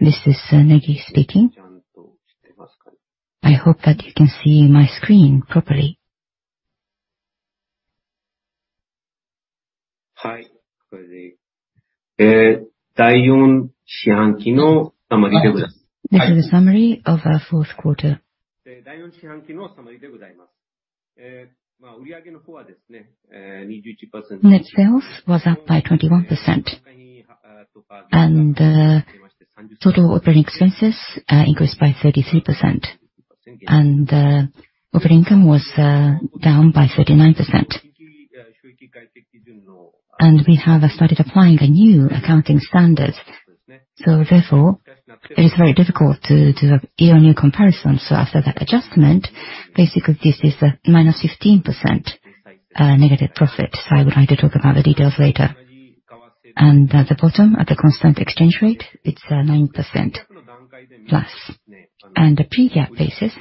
This is Negi speaking. I hope that you can see my screen properly. This is a summary of our fourth quarter. Net sales was up by 21%. Total operating expenses increased by 33%. Operating income was down by 39%. We have started applying a new accounting standard. Therefore, it is very difficult to year-on-year comparison. After that adjustment, basically, this is -15% negative profit. I would like to talk about the details later. At the bottom, at the constant exchange rate, it's 9% plus. The Pre-GAAP basis,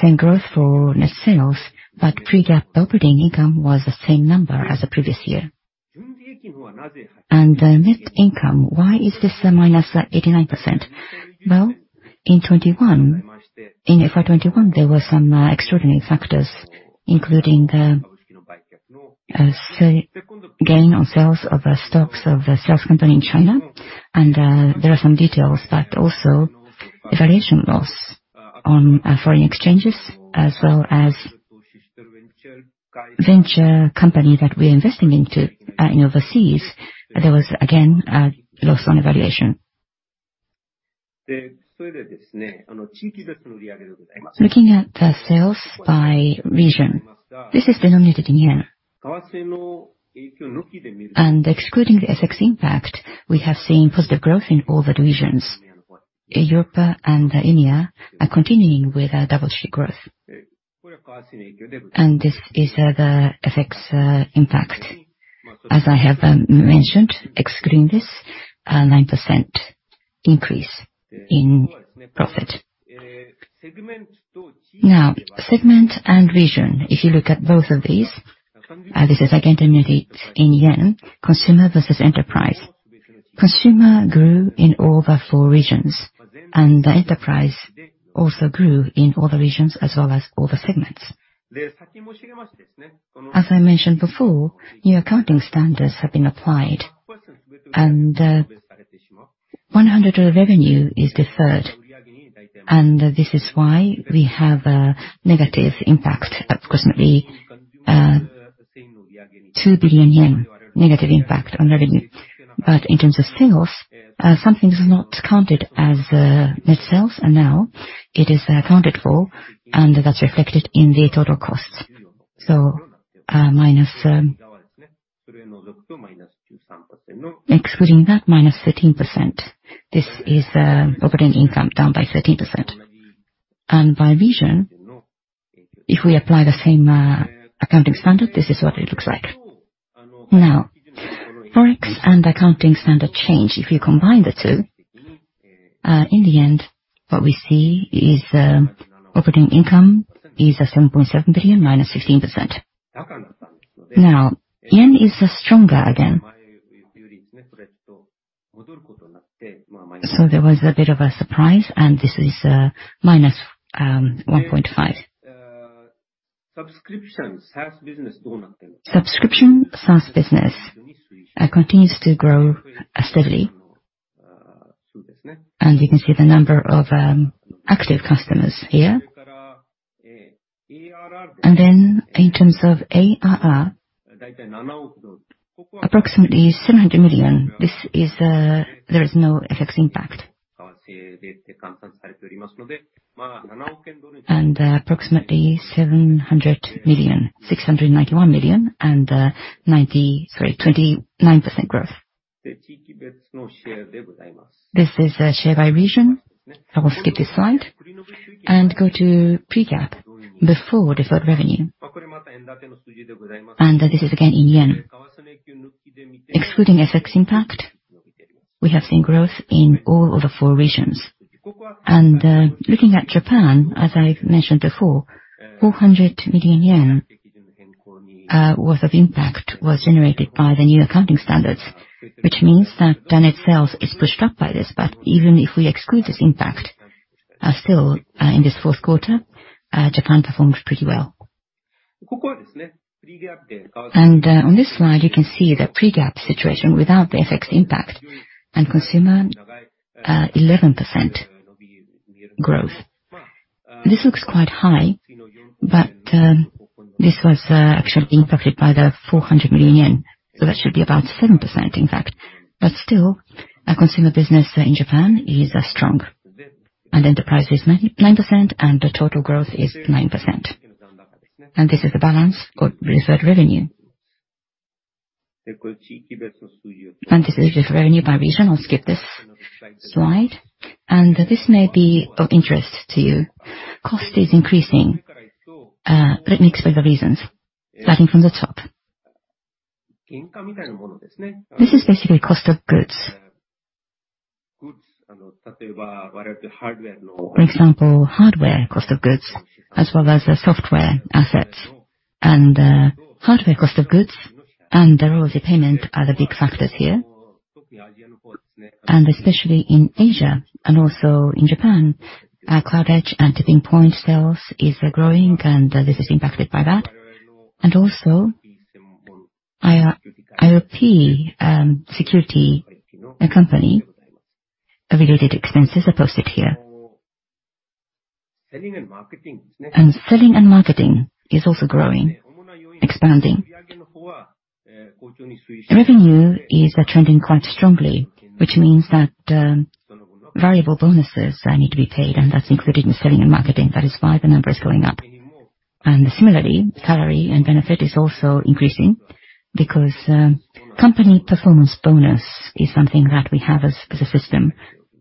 same growth for net sales, but Pre-GAAP operating income was the same number as the previous year. The net income, why is this -89%? Well, in 2021, in FY 2021, there were some extraordinary factors, including gain on sales of stocks of a sales company in China. There are some details, but also the valuation loss on foreign exchanges as well as venture company that we're investing into in overseas. There was again a loss on evaluation. Looking at the sales by region, this is denominated in JPY. Excluding the FX impact, we have seen positive growth in all the divisions. Europe and EMEA are continuing with a double-digit growth. This is the FX impact. As I have mentioned, excluding this, 9% increase in profit. Now, segment and region, if you look at both of these, this is again denominated in JPY, Consumer versus Enterprise. Consumer grew in all the four regions, and the Enterprise also grew in all the regions as well as all the segments. As I mentioned before, new accounting standards have been applied and 100 revenue is deferred. This is why we have a negative impact, approximately 2 billion yen negative impact on revenue. In terms of sales, something is not counted as net sales and now it is accounted for and that's reflected in the total cost. Minus, excluding that minus 13%, this is operating income down by 13%. By region, if we apply the same accounting standard, this is what it looks like. Forex and accounting standard change, if you combine the two, in the end, what we see is operating income is 7.7 billion -16%. Yen is stronger again. There was a bit of a surprise, and this is -1.5%. Subscription SaaS business continues to grow steadily. You can see the number of active customers here. In terms of ARR, approximately 700 million, this is there is no FX impact. Approximately 700 million, 691 million, and 29% growth. This is share by region. I will skip this slide and go to pre-GAAP before deferred revenue. This is again in yen. Excluding FX impact, we have seen growth in all of the four regions. Looking at Japan, as I mentioned before, 400 million yen worth of impact was generated by the new accounting standards, which means that net sales is pushed up by this. Even if we exclude this impact, still, in this fourth quarter, Japan performs pretty well. On this slide, you can see the pre-GAAP situation without the FX impact and Consumer, 11% growth. This looks quite high, but this was actually impacted by the 400 million yen. That should be about 7% in fact. Still, our Consumer business in Japan is strong and Enterprise is 9% and the total growth is 9%. This is the balance for deferred revenue. This is just revenue by region. I'll skip this slide. This may be of interest to you. Cost is increasing. Let me explain the reasons. Starting from the top. This is basically cost of goods. For example, hardware cost of goods as well as the software assets, hardware cost of goods and royalty payment are the big factors here. Especially in Asia and also in Japan, our Cloud Edge and TippingPoint sales is growing, and this is impacted by that. IOP security company related expenses are posted here. Selling and marketing is also growing, expanding. Revenue is trending quite strongly, which means that variable bonuses need to be paid, and that's included in selling and marketing. That is why the number is going up. Similarly, salary and benefit is also increasing because company performance bonus is something that we have as a system,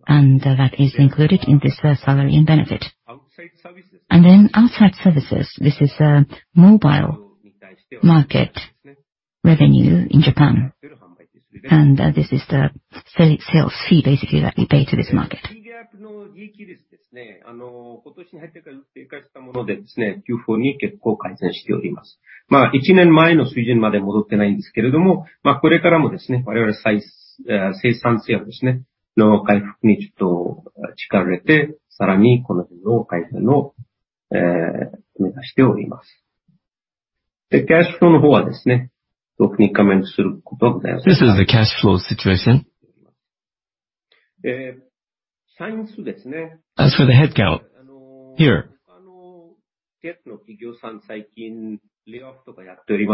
and that is included in this salary and benefit. Outside services, this is a mobile market revenue in Japan. This is the sales fee basically that we pay to this market. This is the cash flow situation. As for the headcount, here,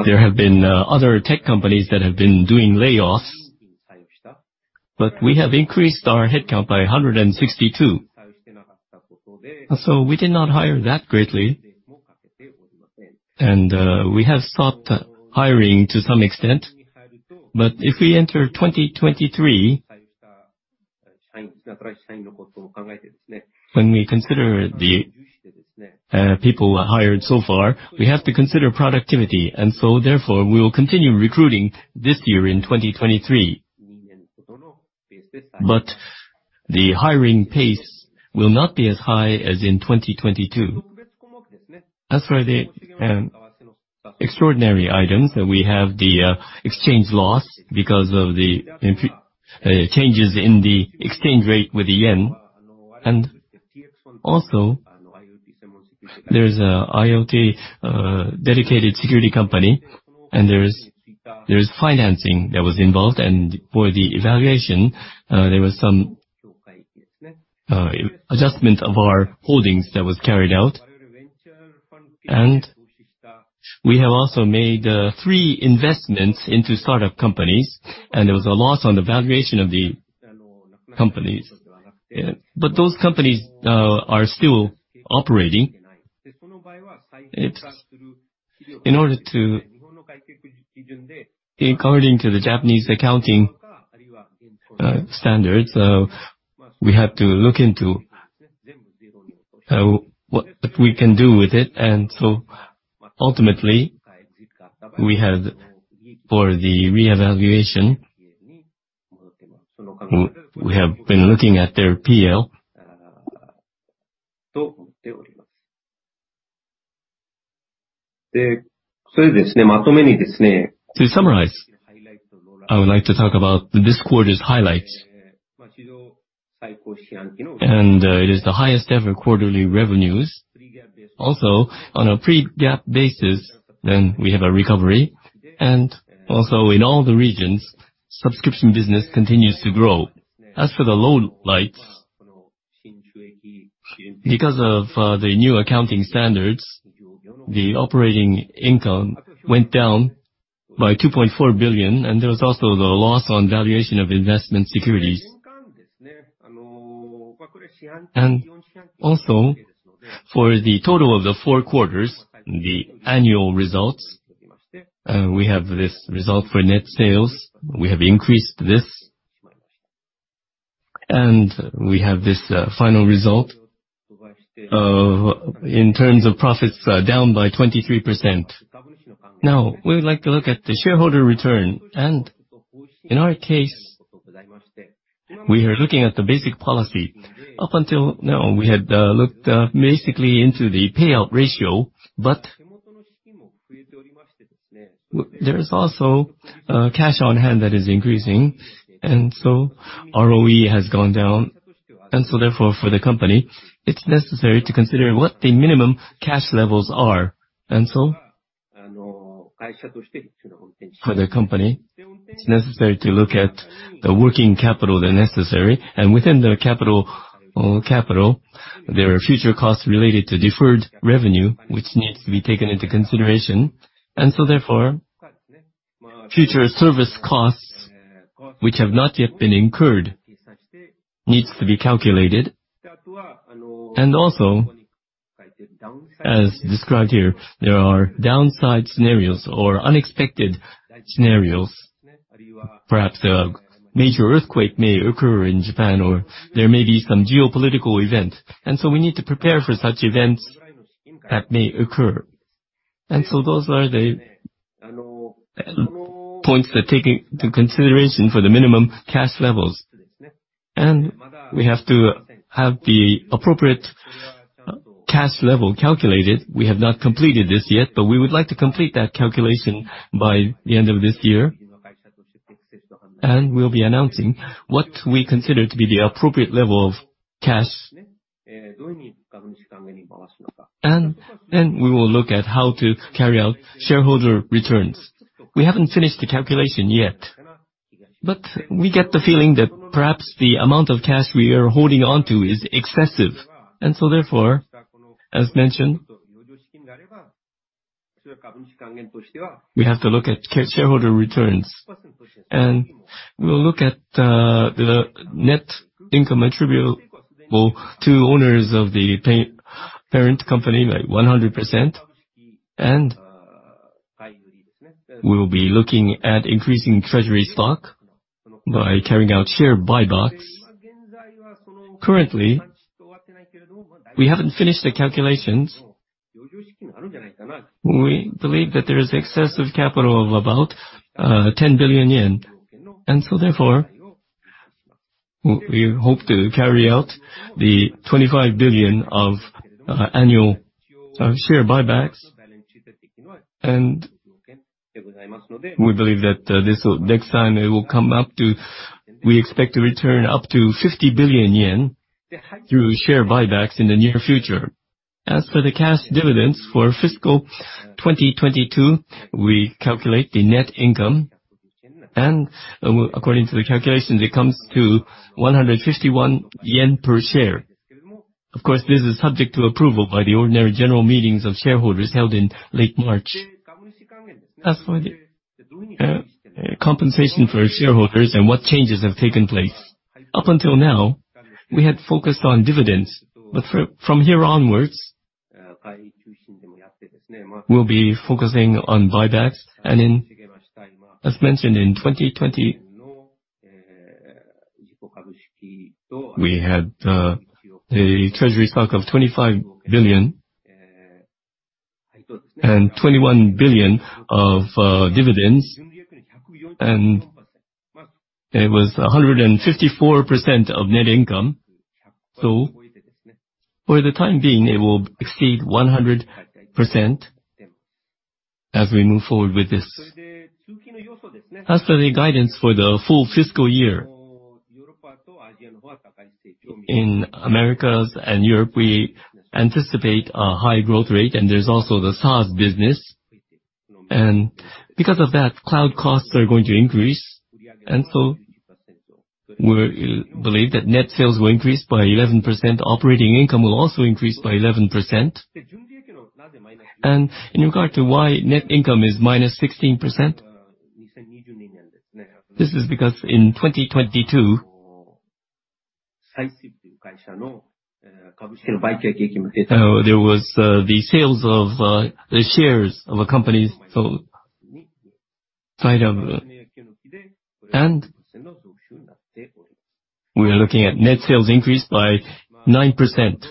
there have been other tech companies that have been doing layoffs, but we have increased our headcount by 162. We did not hire that greatly, and we have stopped hiring to some extent. If we enter 2023, when we consider the people hired so far, we have to consider productivity, and therefore, we will continue recruiting this year in 2023. The hiring pace will not be as high as in 2022. As for the extraordinary items, we have the exchange loss because of the changes in the exchange rate with the yen. Also, there's an IoT dedicated security company, and there's financing that was involved. For the evaluation, there was some adjustment of our holdings that was carried out. We have also made three investments into startup companies, and there was a loss on the valuation of the companies. Those companies are still operating. In according to the Japanese accounting standards, we have to look into what we can do with it. Ultimately, we have, for the reevaluation, we have been looking at their P&L. To summarize, I would like to talk about this quarter's highlights. It is the highest ever quarterly revenues. Also, on a pre-GAAP basis, we have a recovery. Also in all the regions, subscription business continues to grow. As for the lowlights, because of the new accounting standards, the operating income went down by 2.4 billion, there was also the loss on valuation of investment securities. For the total of the four quarters, the annual results, we have this result for net sales. We have increased this. We have this final result of, in terms of profits, down by 23%. We would like to look at the shareholder return. In our case, we are looking at the basic policy. Up until now, we had looked basically into the payout ratio, but there is also cash on hand that is increasing, ROE has gone down. For the company, it's necessary to consider what the minimum cash levels are. For the company, it's necessary to look at the working capital, the necessary. Within the capital, there are future costs related to deferred revenue, which needs to be taken into consideration. Therefore, future service costs which have not yet been incurred, needs to be calculated. Also, as described here, there are downside scenarios or unexpected scenarios. Perhaps a major earthquake may occur in Japan, or there may be some geopolitical event. We need to prepare for such events that may occur. Those are the points that take into consideration for the minimum cash levels. We have to have the appropriate cash level calculated. We have not completed this yet, but we would like to complete that calculation by the end of this year. We'll be announcing what we consider to be the appropriate level of cash. We will look at how to carry out shareholder returns. We haven't finished the calculation yet, but we get the feeling that perhaps the amount of cash we are holding on to is excessive. As mentioned, we have to look at shareholder returns. We'll look at the net income attributable to owners of the parent company by 100%. We will be looking at increasing treasury stock by carrying out share buybacks. Currently, we haven't finished the calculations. We believe that there is excess of capital of about 10 billion yen. We hope to carry out the 25 billion of annual share buybacks. We believe that we expect to return up to 50 billion yen through share buybacks in the near future. The cash dividends for fiscal 2022, we calculate the net income. According to the calculations, it comes to 151 yen per share. Of course, this is subject to approval by the ordinary general meetings of shareholders held in late March. The compensation for shareholders and what changes have taken place, up until now, we had focused on dividends, but from here onwards, we'll be focusing on buybacks. As mentioned in 2020, we had a treasury stock of 25 billion and 21 billion of dividends, and it was 154% of net income. For the time being, it will exceed 100% as we move forward with this. The guidance for the full fiscal year, in Americas and Europe, we anticipate a high growth rate, and there's also the SaaS business. Because of that, cloud costs are going to increase. We believe that net sales will increase by 11%. Operating income will also increase by 11%. In regard to why net income is minus 16%, this is because in 2022, there was the sales of the shares of a company. We are looking at net sales increase by 9%.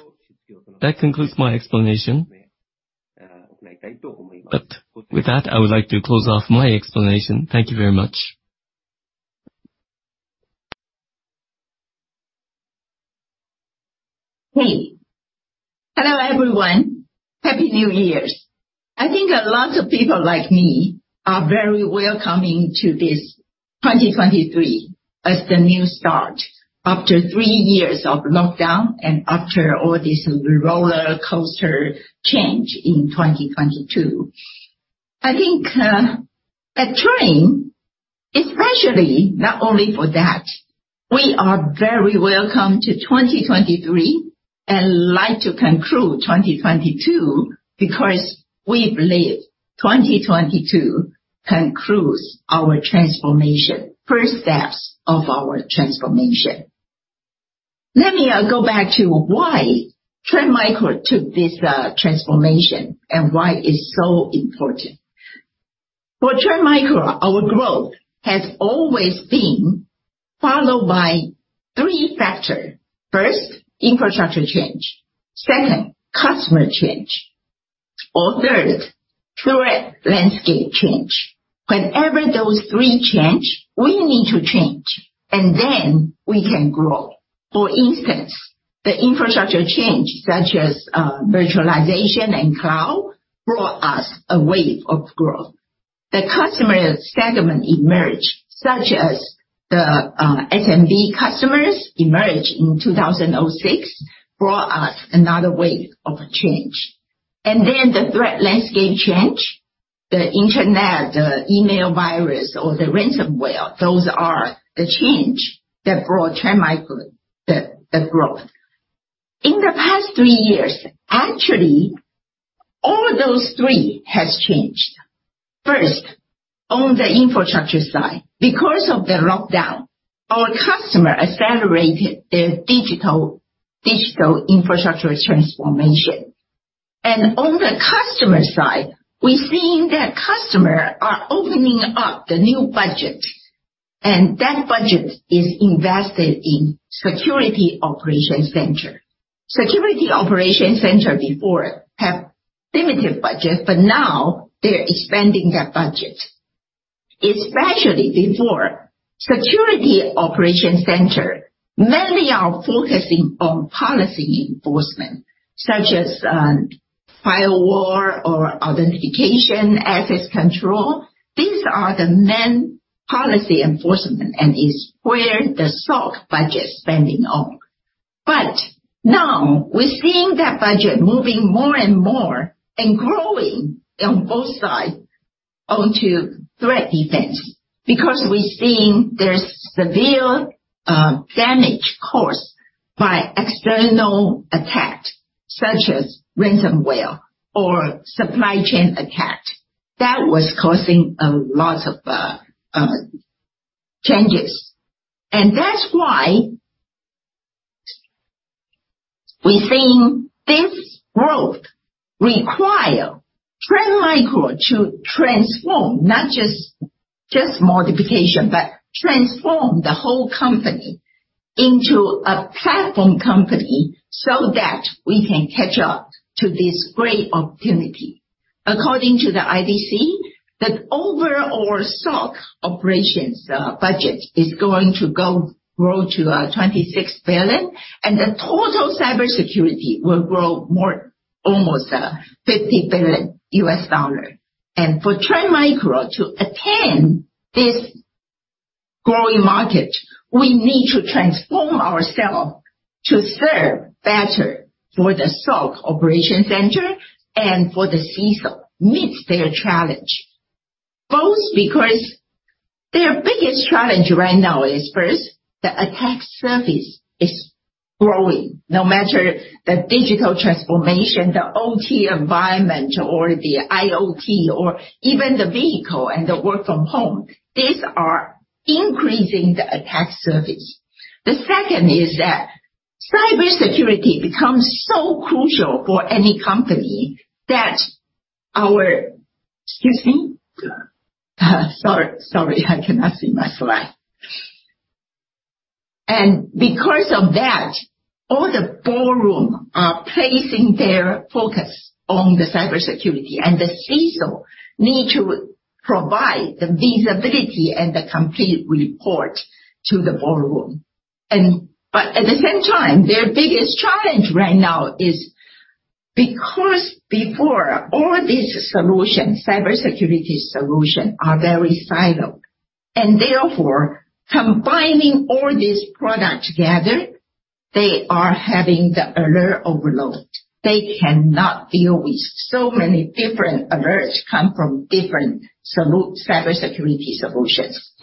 That concludes my explanation. With that, I would like to close off my explanation. Thank you very much. Hey. Hello, everyone. Happy New Year's. I think a lot of people like me are very welcoming to this 2023 as the new start after three years of lockdown and after all this roller coaster change in 2022. I think, at Trend, especially not only for that, we are very welcome to 2023 and like to conclude 2022, because we believe 2022 concludes our transformation, first steps of our transformation. Let me go back to why Trend Micro took this transformation and why it's so important. For Trend Micro, our growth has always been followed by three factors. First, infrastructure change. Second, customer change. Or third, threat landscape change. Whenever those three change, we need to change, and then we can grow. For instance, the infrastructure change, such as virtualization and cloud, brought us a wave of growth. The Customer segment emerged, such as the SMB customers emerged in 2006, brought us another wave of change. The threat landscape change, the internet, the email virus or the ransomware, those are the change that brought Trend Micro the growth. In the past three years, actually, all those three has changed. First, on the infrastructure side, because of the lockdown, our customer accelerated their digital infrastructure transformation. On the customer side, we're seeing that customer are opening up the new budget. That budget is invested in Security Operations Center. Security Operations Center before have limited budget, now they're expanding that budget. Especially before, Security Operations Center mainly are focusing on policy enforcement, such as firewall or authentication, access control. These are the main policy enforcement and is where the SOC budget spending on. Now we're seeing that budget moving more and more and growing on both sides onto threat defense. We're seeing there's severe damage caused by external attack, such as ransomware or supply chain attack. That was causing a lot of changes. That's why we think this growth require Trend Micro to transform, not just modification, but transform the whole company into a platform company so that we can catch up to this great opportunity. According to the IDC, the overall SOC operations budget is going to grow to $26 billion, and the total cybersecurity will grow more almost $50 billion. For Trend Micro to attain this growing market, we need to transform ourselves to serve better for the SOC operation center and for the CISO meet their challenge. Both because their biggest challenge right now is first, the attack surface is growing. No matter the digital transformation, the OT environment or the IoT or even the vehicle and the work from home, these are increasing the attack surface. The second is that cybersecurity becomes so crucial for any company that Excuse me? Sorry, I cannot see my slide. Because of that, all the boardroom are placing their focus on the cybersecurity and the CISO need to provide the visibility and the complete report to the boardroom. At the same time, their biggest challenge right now is because before all these solutions, cybersecurity solution are very silo. Therefore, combining all these products together, they are having the alert overload. They cannot deal with so many different alerts come from different cybersecurity solutions.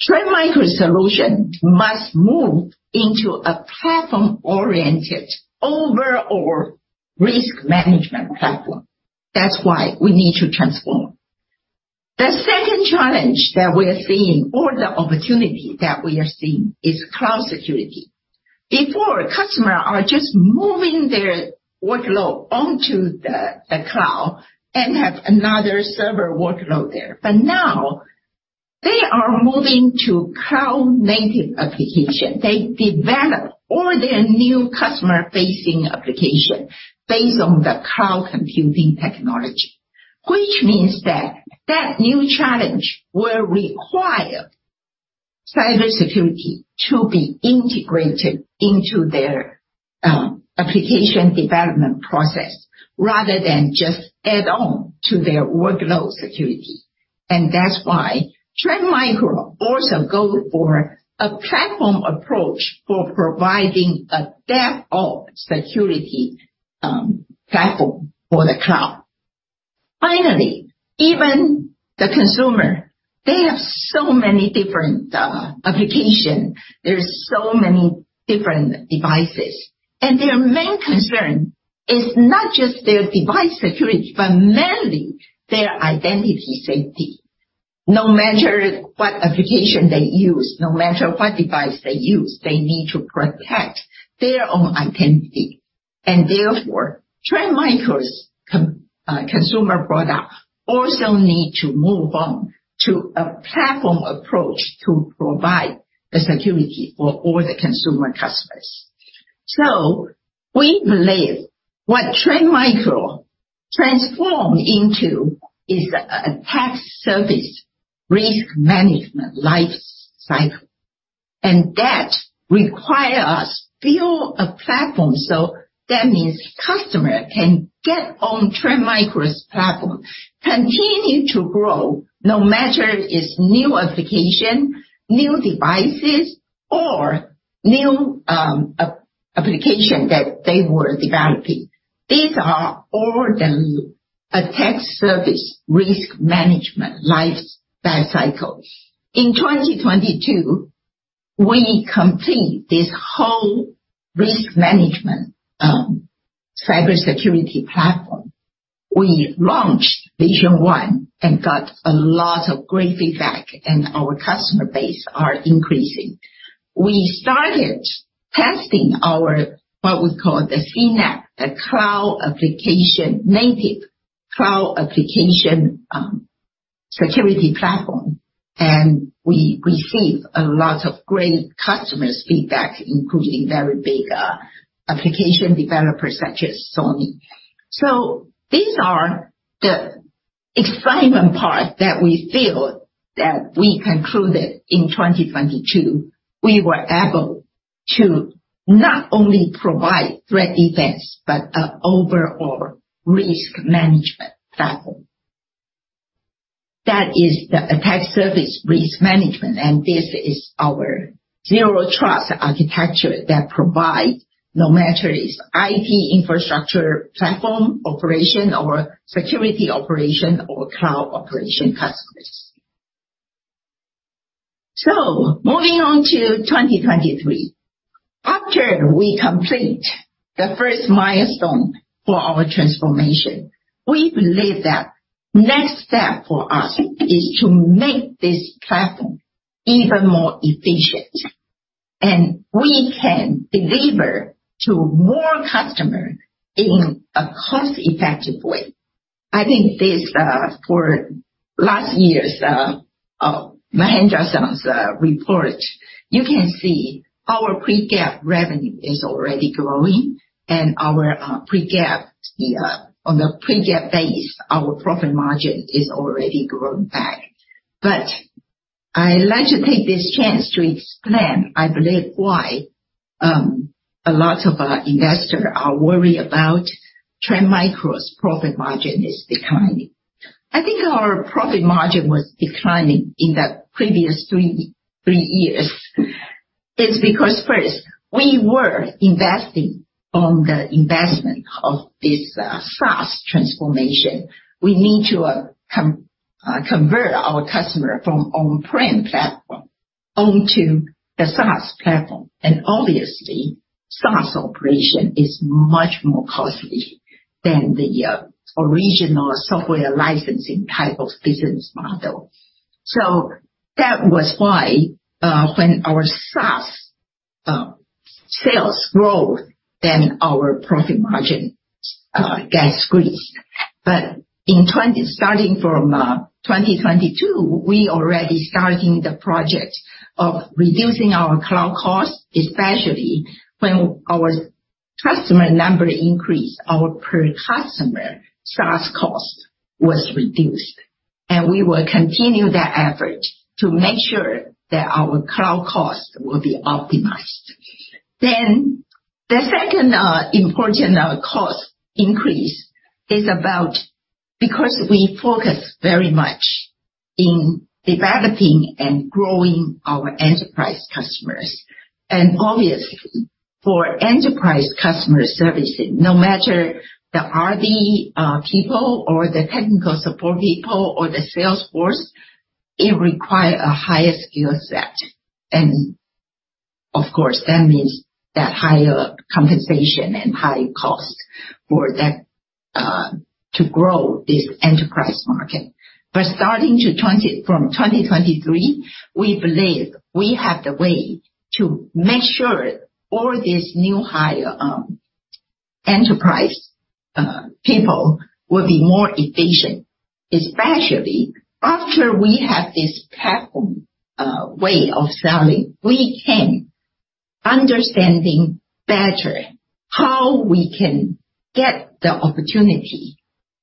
Trend Micro solution must move into a platform-oriented overall risk management platform. That's why we need to transform. The second challenge that we're seeing or the opportunity that we are seeing is cloud security. Before, customer are just moving their workload onto the cloud and have another server workload there. Now, they are moving to cloud native application. They develop all their new customer-facing application based on the cloud computing technology, which means that that new challenge will require cybersecurity to be integrated into their application development process rather than just add on to their workload security. That's why Trend Micro also go for a platform approach for providing a DevOps security platform for the cloud. Finally, even the consumer, they have so many different application. There's so many different devices. Their main concern is not just their device security, but mainly their identity safety. No matter what application they use, no matter what device they use, they need to protect their own identity. Therefore, Trend Micro's consumer product also need to move on to a platform approach to provide the security for all the Consumer customers. We believe what Trend Micro transform into is a Attack Surface Risk Management life cycle. That require us build a platform, so that means customer can get on Trend Micro's platform, continue to grow, no matter it's new application, new devices or new application that they were developing. These are all the Attack Surface Risk Management lifecycle. In 2022, we complete this whole risk management cybersecurity platform. We launched Trend Vision One and got a lot of great feedback and our customer base are increasing. We started testing our, what we call the CNAPP, the cloud application, native cloud application, security platform. We received a lot of great customers feedback, including very big application developers such as Sony. These are the excitement part that we feel that we concluded in 2022. We were able to not only provide threat defense, but a overall risk management platform. That is the Attack Surface Risk Management, and this is our zero trust architecture that provide no matter it's IT infrastructure, platform operation, or security operation or cloud operation customers. Moving on to 2023. After we complete the first milestone for our transformation, we believe that next step for us is to make this platform even more efficient, and we can deliver to more customers in a cost-effective way. I think this for last year's Mahendra-san's report, you can see our pre-GAAP revenue is already growing and our on the pre-GAAP base, our profit margin is already grown back. I'd like to take this chance to explain, I believe why a lot of our investors are worried about Trend Micro's profit margin is declining. I think our profit margin was declining in the previous three years is because first, we were investing on the investment of this SaaS transformation. We need to convert our customer from on-prem platform onto the SaaS platform. Obviously, SaaS operation is much more costly than the original software licensing type of business model. That was why, when our SaaS sales grow, then our profit margin gets squeezed. In starting from 2022, we already starting the project of reducing our cloud costs, especially when our customer number increased, our per customer SaaS cost was reduced. We will continue that effort to make sure that our cloud costs will be optimized. The second important cost increase is about because we focus very much in developing and growing our Enterprise customers. Obviously for Enterprise customer services, no matter the R&D people or the technical support people or the sales force, it require a higher skill set. Of course, that means that higher compensation and higher cost for that to grow this Enterprise market. Starting from 2023, we believe we have the way to make sure all these new hire Enterprise people will be more efficient, especially after we have this platform way of selling. We can understanding better how we can get the opportunity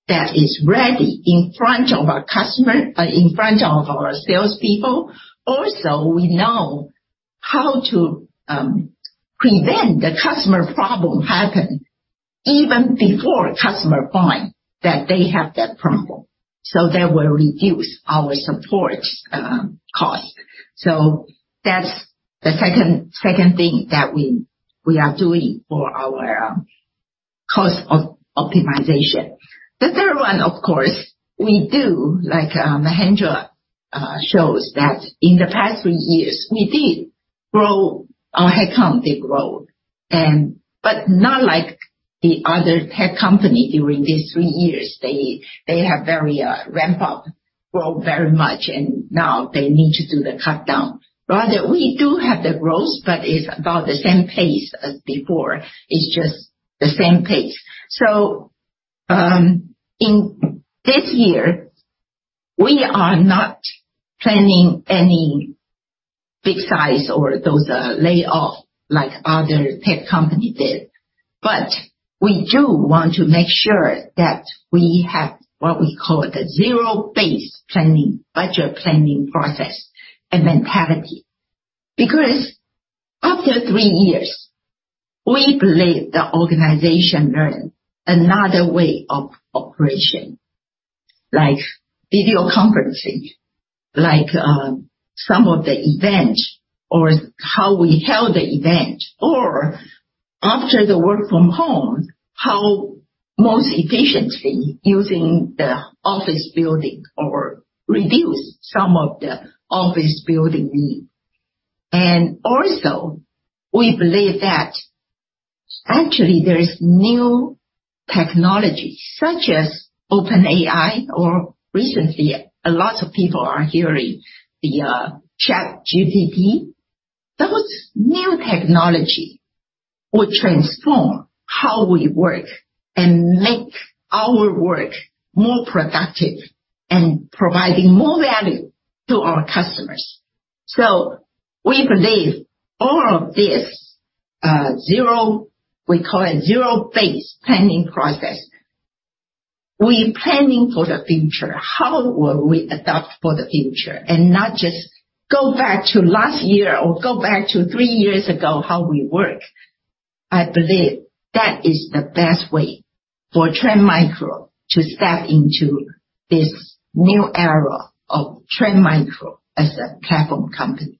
that is ready in front of our customer in front of our salespeople. We know how to prevent the customer problem happen even before customer find that they have that problem. That will reduce our support cost. That's the second thing that we are doing for our cost optimization. The third one, of course, we do, like Mahendra shows that in the past three years, we did grow our headcount, it grow. Not like the other tech company during these three years, they have very ramp up growth very much, and now they need to do the cutdown. Rather, we do have the growth, but it's about the same pace as before. It's just the same pace. In this year, we are not planning any big size or those layoff like other tech company did. We do want to make sure that we have what we call the zero-based planning, budget planning process and mentality. After three years, we believe the organization learn another way of operation, like video conferencing, like some of the event or how we held the event, or after the work from home, how most efficiency using the office building or reduce some of the office building need. Also, we believe that Actually, there is new technology such as OpenAI or recently, a lot of people are hearing the ChatGPT. Those new technology will transform how we work and make our work more productive and providing more value to our customers. We believe all of this we call it zero-based planning process. We're planning for the future, how will we adapt for the future, and not just go back to last year or go back to three years ago how we work. I believe that is the best way for Trend Micro to step into this new era of Trend Micro as a platform company.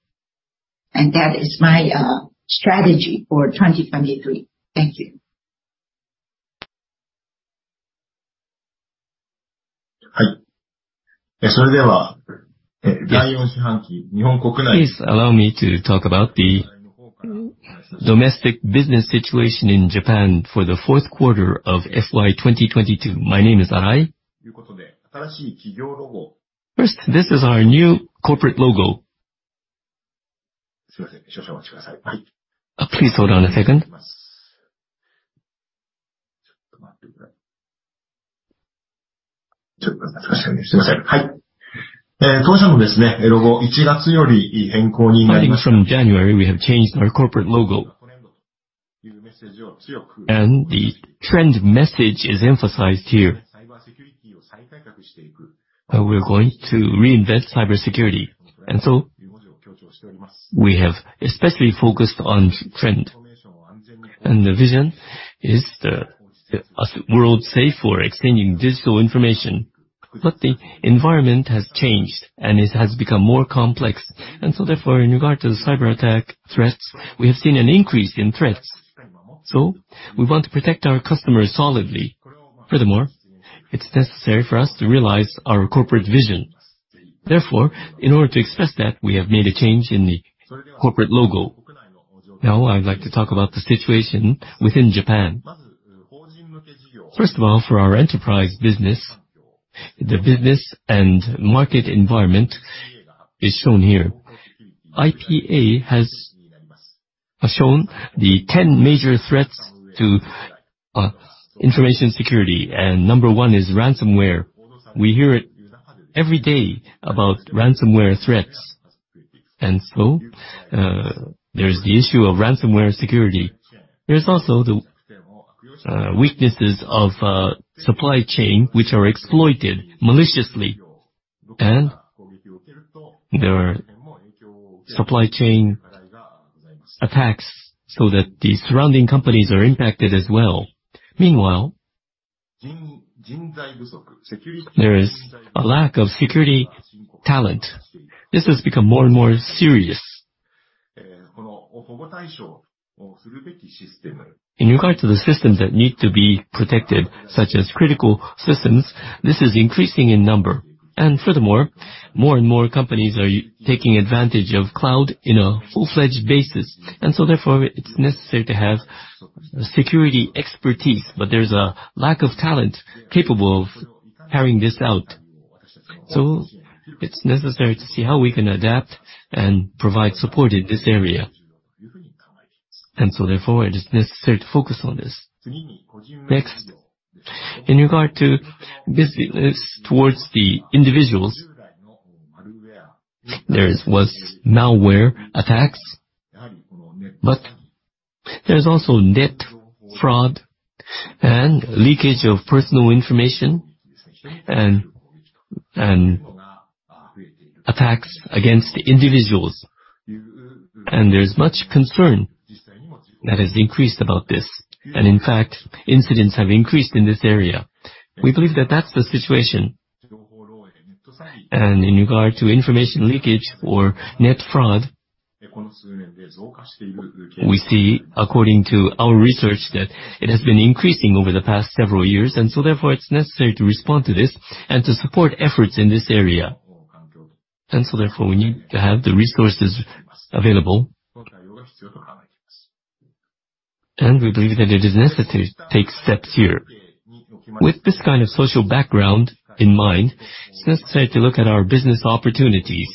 That is my strategy for 2023. Thank you. Please allow me to talk about the domestic business situation in Japan for the fourth quarter of FY 2022. My name is Arai. First, this is our new corporate logo. Please hold on a second. Starting from January, we have changed our corporate logo. The Trend message is emphasized here. We're going to reinvest cybersecurity. We have especially focused on Trend. The vision is a world safe for exchanging digital information. The environment has changed, and it has become more complex. Therefore, in regard to the cyberattack threats, we have seen an increase in threats. We want to protect our customers solidly. Furthermore, it's necessary for us to realize our corporate vision. Therefore, in order to express that, we have made a change in the corporate logo. Now I'd like to talk about the situation within Japan. First of all, for our Enterprise business, the business and market environment is shown here. IPA has shown the 10 major threats to information security, number one is ransomware. We hear it every day about ransomware threats. There's the issue of ransomware security. There's also the weaknesses of supply chain which are exploited maliciously. There are supply chain attacks so that the surrounding companies are impacted as well. Meanwhile, there is a lack of security talent. This has become more and more serious. In regard to the systems that need to be protected, such as critical systems, this is increasing in number. Furthermore, more and more companies are taking advantage of cloud in a full-fledged basis. Therefore, it's necessary to have security expertise, but there's a lack of talent capable of carrying this out. It's necessary to see how we can adapt and provide support in this area. Therefore, it is necessary to focus on this. Next, in regard to business towards the individuals, there was malware attacks, but there's also net fraud and leakage of personal information and attacks against individuals. There's much concern that has increased about this. In fact, incidents have increased in this area. We believe that that's the situation. In regard to information leakage or net fraud, we see, according to our research, that it has been increasing over the past several years. Therefore, it's necessary to respond to this and to support efforts in this area. Therefore, we need to have the resources available. We believe that it is necessary to take steps here. With this kind of social background in mind, it's necessary to look at our business opportunities.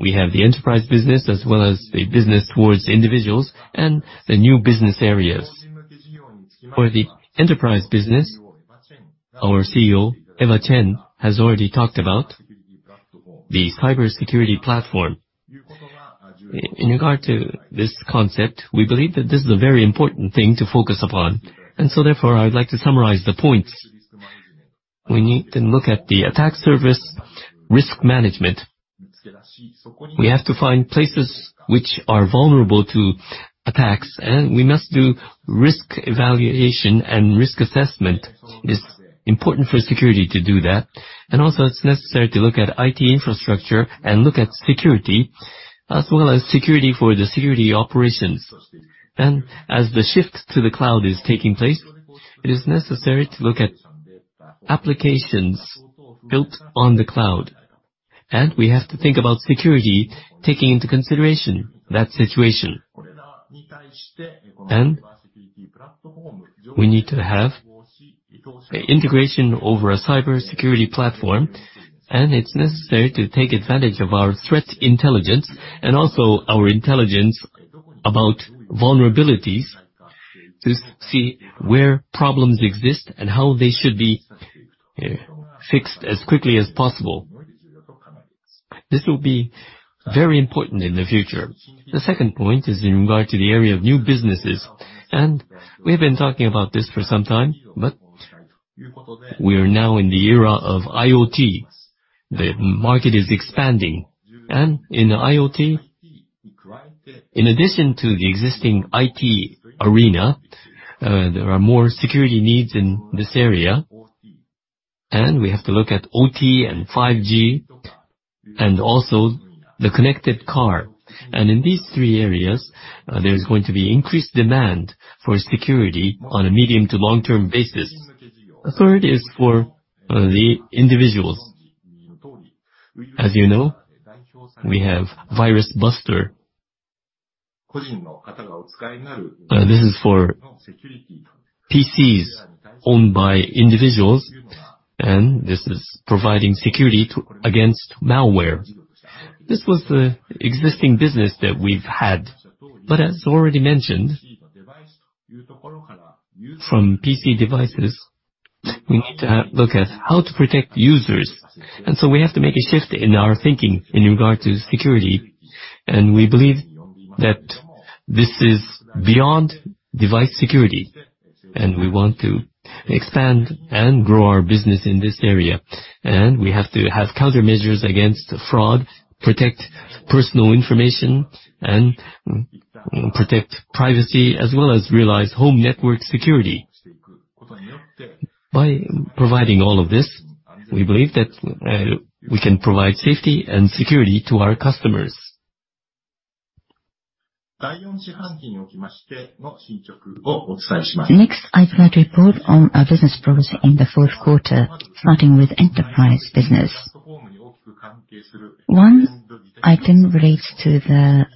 We have the Enterprise business as well as the business towards individuals and the new business areas. For the Enterprise business, our CEO, Eva Chen, has already talked about the cybersecurity platform. In regard to this concept, we believe that this is a very important thing to focus upon. I would like to summarize the points. We need to look at the Attack Surface Risk Management. We have to find places which are vulnerable to attacks, and we must do risk evaluation and risk assessment. It's important for security to do that. It's necessary to look at IT infrastructure and look at security, as well as security for the security operations. As the shift to the cloud is taking place, it is necessary to look at applications built on the cloud. We have to think about security, taking into consideration that situation. We need to have integration over a cybersecurity platform. It's necessary to take advantage of our threat intelligence and also our intelligence about vulnerabilities to see where problems exist and how they should be fixed as quickly as possible. This will be very important in the future. The second point is in regard to the area of new businesses. We have been talking about this for some time. We are now in the era of IoT. The market is expanding. In IoT, in addition to the existing IT arena, there are more security needs in this area. We have to look at OT and 5G, and also the connected car. In these three areas, there's going to be increased demand for security on a medium to long-term basis. The third is for the individuals. As you know, we have Virus Buster. This is for PCs owned by individuals, and this is providing security against malware. This was the existing business that we've had. As already mentioned, from PC devices, we need to look at how to protect users. We have to make a shift in our thinking in regard to security, and we believe that this is beyond device security, and we want to expand and grow our business in this area. We have to have countermeasures against fraud, protect personal information, and protect privacy, as well as realize home network security. By providing all of this, we believe that we can provide safety and security to our customers. Next, I'd like to report on our business progress in the fourth quarter, starting with Enterprise business. One item relates to the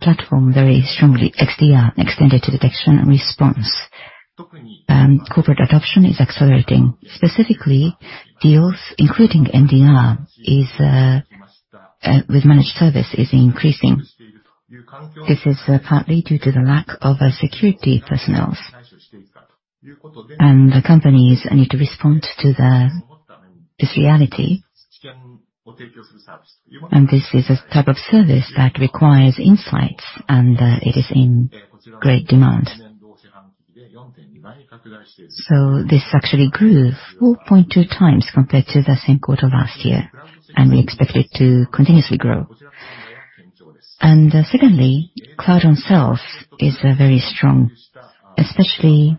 platform very strongly, XDR, Extended Detection and Response. Corporate adoption is accelerating. Specifically, deals, including NDR, with managed service, is increasing. This is partly due to the lack of security personnels. The companies need to respond to this reality. This is a type of service that requires insights, and it is in great demand. This actually grew 4.2x compared to the same quarter last year, and we expect it to continuously grow. Secondly, cloud on self is very strong, especially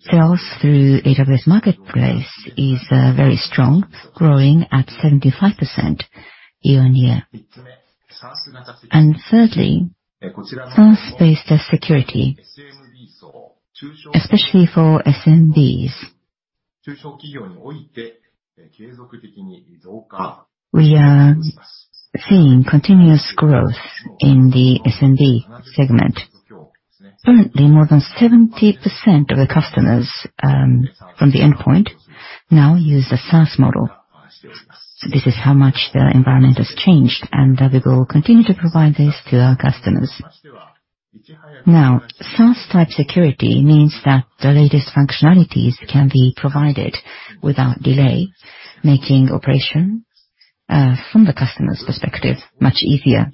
sales through AWS Marketplace is very strong, growing at 75% year-on-year. Thirdly, SaaS-based security, especially for SMBs. We are seeing continuous growth in the SMB segment. Currently, more than 70% of the customers, from the endpoint now use the SaaS model. This is how much the environment has changed, and we will continue to provide this to our customers. Now, SaaS-type security means that the latest functionalities can be provided without delay, making operation from the customer's perspective, much easier.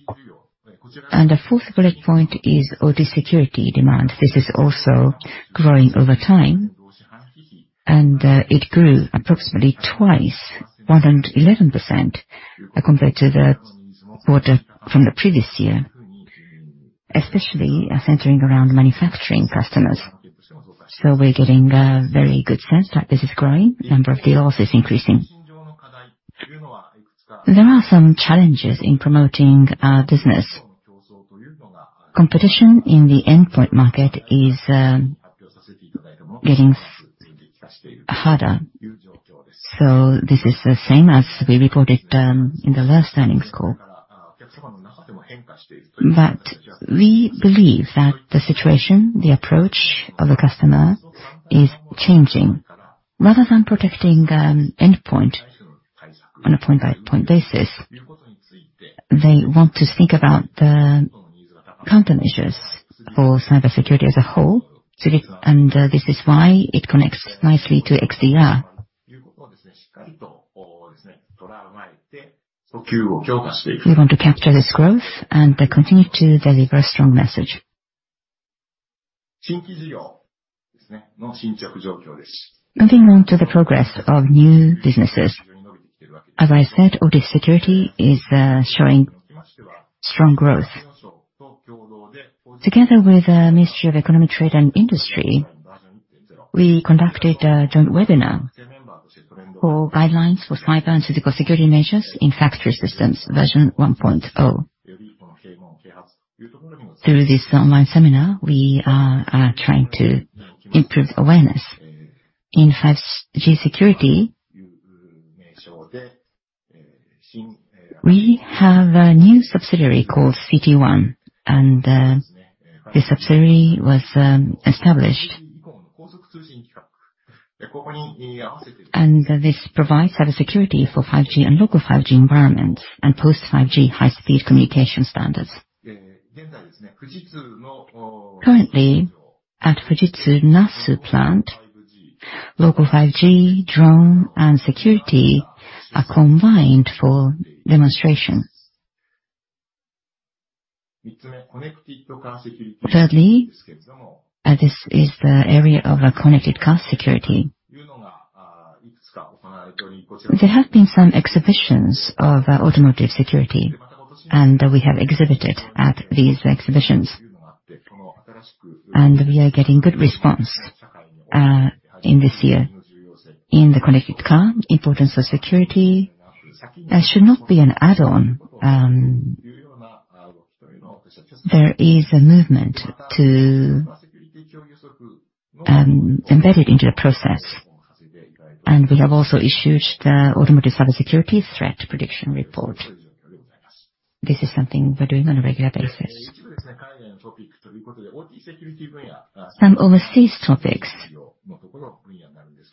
The fourth bullet point is OT security demand. This is also growing over time, and it grew approximately twice, 111% compared to the quarter from the previous year, especially centering around manufacturing customers. We're getting a very good sense that this is growing. Number of deals is increasing. There are some challenges in promoting our business. Competition in the endpoint market is getting harder. This is the same as we reported in the last earnings call. We believe that the situation, the approach of the customer is changing. Rather than protecting endpoint on a point-by-point basis, they want to think about the countermeasures for cybersecurity as a whole. This is why it connects nicely to XDR. We want to capture this growth and continue to deliver a strong message. Moving on to the progress of new businesses. As I said, OT security is showing strong growth. Together with the Ministry of Economy, Trade and Industry, we conducted a joint webinar for Guidelines for Cyber and Physical Security Measures for Factory Systems Ver. 1.0. Through this online seminar, we are trying to improve awareness. In 5G security, we have a new subsidiary called CTOne, and this subsidiary was established. This provides cybersecurity for 5G and local 5G environments, and post 5G high-speed communication standards. Currently, at Fujitsu Nasu Plant, local 5G, drone, and security are combined for demonstration. Thirdly, this is the area of connected car security. There have been some exhibitions of automotive security, and we have exhibited at these exhibitions. We are getting good response in this year. In the connected car, importance of security should not be an add-on. There is a movement to embed it into the process. We have also issued the Automotive Cybersecurity Threat Prediction Report. This is something we're doing on a regular basis. Some overseas topics.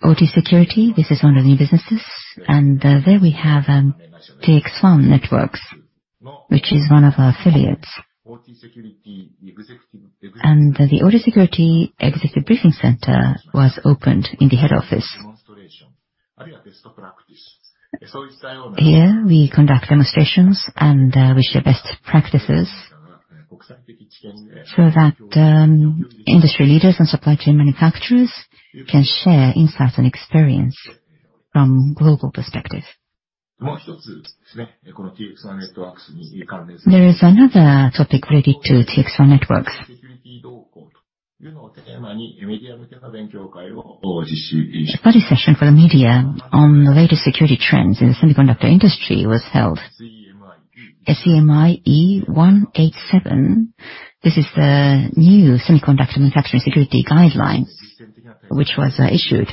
OT security, this is one of the new businesses, and there we have TXOne Networks, which is one of our affiliates. The OT Security Executive Briefing Center was opened in the head office. Here, we conduct demonstrations, we share best practices so that industry leaders and supply chain manufacturers can share insights and experience from global perspective. There is another topic related to TXOne Networks. A study session for the media on the latest security trends in the semiconductor industry was held. SEMI E187, this is the new Semiconductor Manufacturing Security Guidelines, which was issued.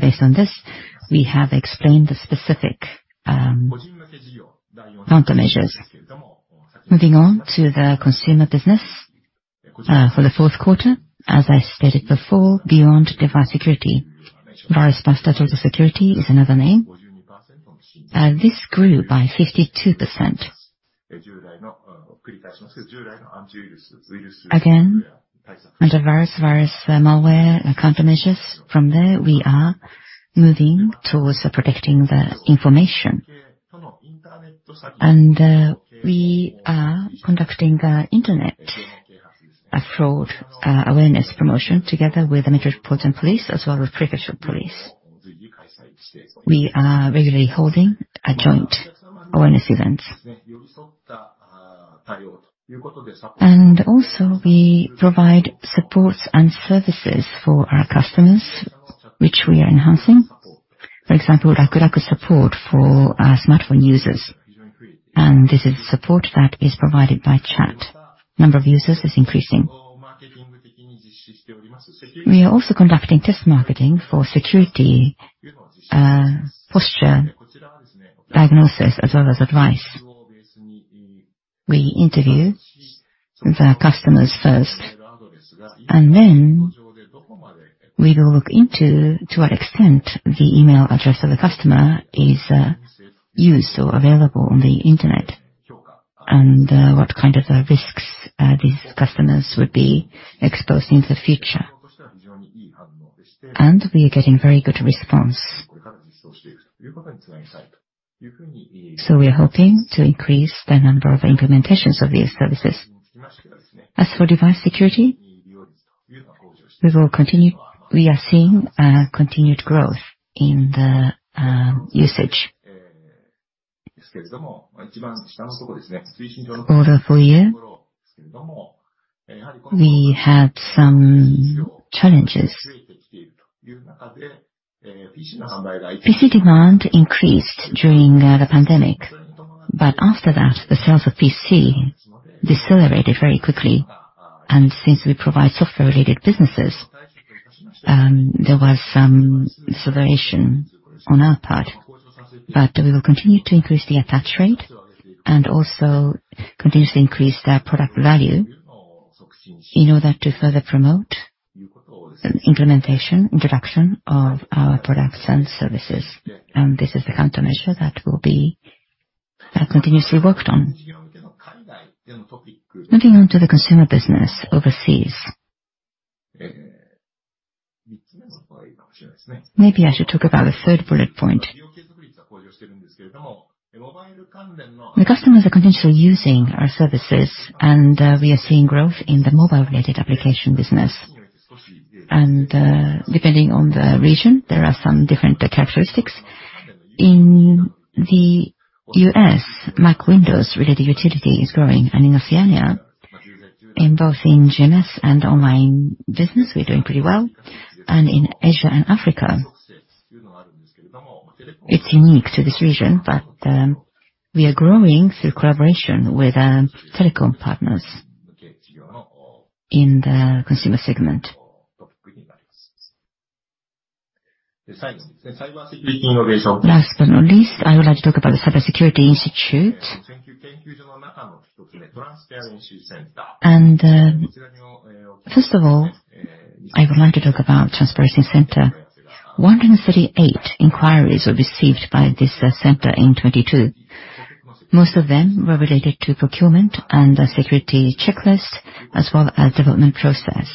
Based on this, we have explained the specific countermeasures. Moving on to the Consumer business. For the fourth quarter, as I stated before, beyond device security. Virus Buster Total Security is another name. This grew by 52%. Again, antivirus, virus, malware countermeasures. From there, we are moving towards protecting the information. We are conducting the internet, a fraud, awareness promotion together with the Metropolitan Police, as well as Prefectural Police. We are regularly holding a joint awareness event. We provide supports and services for our customers, which we are enhancing. For example, Rakuraku support for smartphone users. This is support that is provided by chat. Number of users is increasing. We are also conducting test marketing for security posture diagnosis, as well as advice. We interview the customers first. We will look into to what extent the email address of the customer is used or available on the internet. What kind of risks these customers would be exposed in the future. We are getting very good response. We are hoping to increase the number of implementations of these services. As for device security, We are seeing continued growth in the usage. Over full year, we had some challenges. PC demand increased during the pandemic. After that, the sales of PC decelerated very quickly. Since we provide software-related businesses, there was some deceleration on our part. We will continue to increase the attach rate, and also continuously increase the product value in order to further promote implementation, introduction of our products and services. This is the countermeasure that will be continuously worked on. Moving on to the Consumer business overseas. Maybe I should talk about the third bullet point. The customers are continuously using our services, and we are seeing growth in the mobile-related application business. Depending on the region, there are some different characteristics. In the U.S., Mac Windows-related utility is growing. In Oceania, in both GMS and online business, we're doing pretty well. In Asia and Africa. It's unique to this region, but we are growing through collaboration with telecom partners in the Consumer segment. Last but not least, I would like to talk about the Cybersecurity Institute. First of all, I would like to talk about Transparency Center. 138 inquiries were received by this center in 2022. Most of them were related to procurement and a security checklist, as well as development process.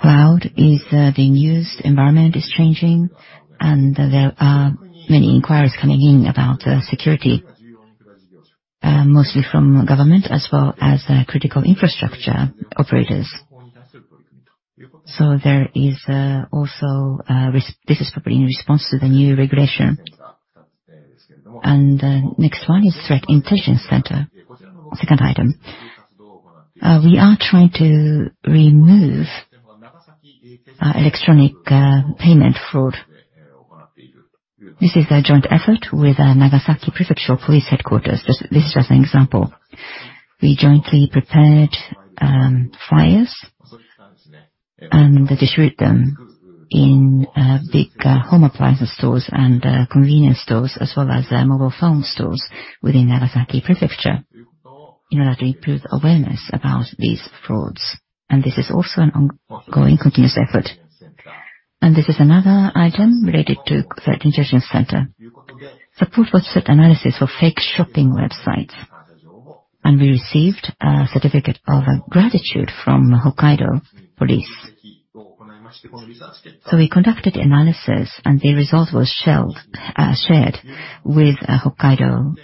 Cloud is being used, environment is changing, and there are many inquiries coming in about security mostly from government as well as critical infrastructure operators. There is also this is probably in response to the new regulation. The next one is Threat Intelligence Center. Second item. We are trying to remove electronic payment fraud. This is a joint effort with Nagasaki Prefectural Police Headquarters. This is just an example. We jointly prepared flyers and distribute them in big home appliance stores and convenience stores, as well as mobile phone stores within Nagasaki Prefecture in order to improve awareness about these frauds. This is also an ongoing continuous effort. This is another item related to Threat Intelligence Center. Support website analysis for fake shopping websites. We received a certificate of gratitude from Hokkaido Police. We conducted analysis, and the results were shared with Hokkaido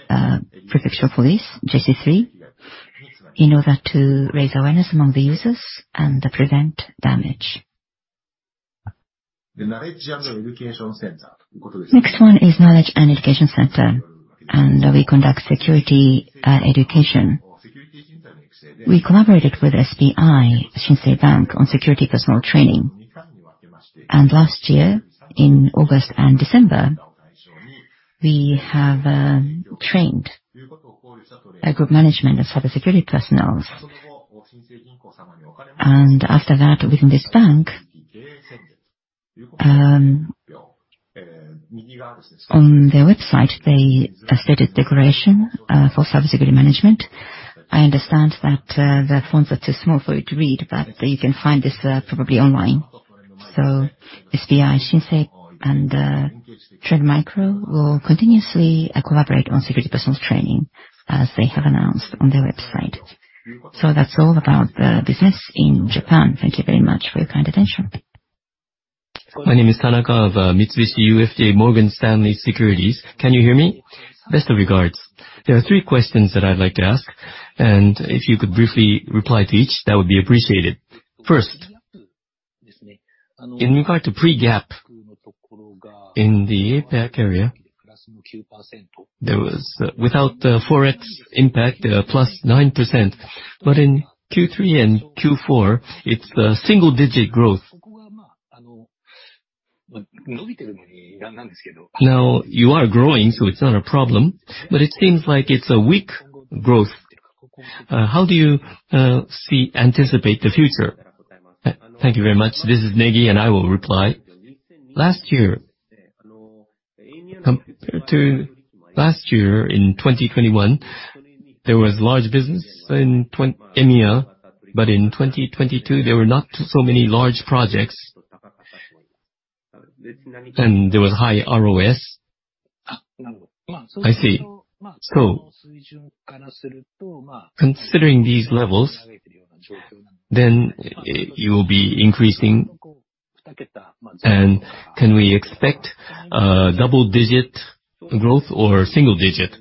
Prefectural Police, JC3, in order to raise awareness among the users and prevent damage. Next one is Knowledge and Education Center. We conduct security education. We collaborated with SBI Shinsei Bank on security personal training. Last year, in August and December, we have trained a group management of cybersecurity personnel. After that, within this bank, on their website, they stated declaration for cybersecurity management. I understand that the fonts are too small for you to read, but you can find this probably online. SBI Shinsei and Trend Micro will continuously collaborate on security persons training, as they have announced on their website. That's all about the business in Japan. Thank you very much for your kind attention. My name is Tanaka of Mitsubishi UFJ Morgan Stanley Securities. Can you hear me? Best of regards. There are three questions that I'd like to ask, and if you could briefly reply to each, that would be appreciated. First, in regard to pre-GAAP in the APAC area, there was, without the Forex impact, plus 9%. In Q3 and Q4, it's single-digit growth. You are growing, so it's not a problem, but it seems like it's a weak growth. How do you anticipate the future? Thank you very much. This is Negi, and I will reply. Last year, to last year in 2021, there was large business in EMEA, but in 2022, there were not so many large projects, and there was high ROS. I see. Considering these levels, then you'll be increasing and can we expect double digit growth or single digit?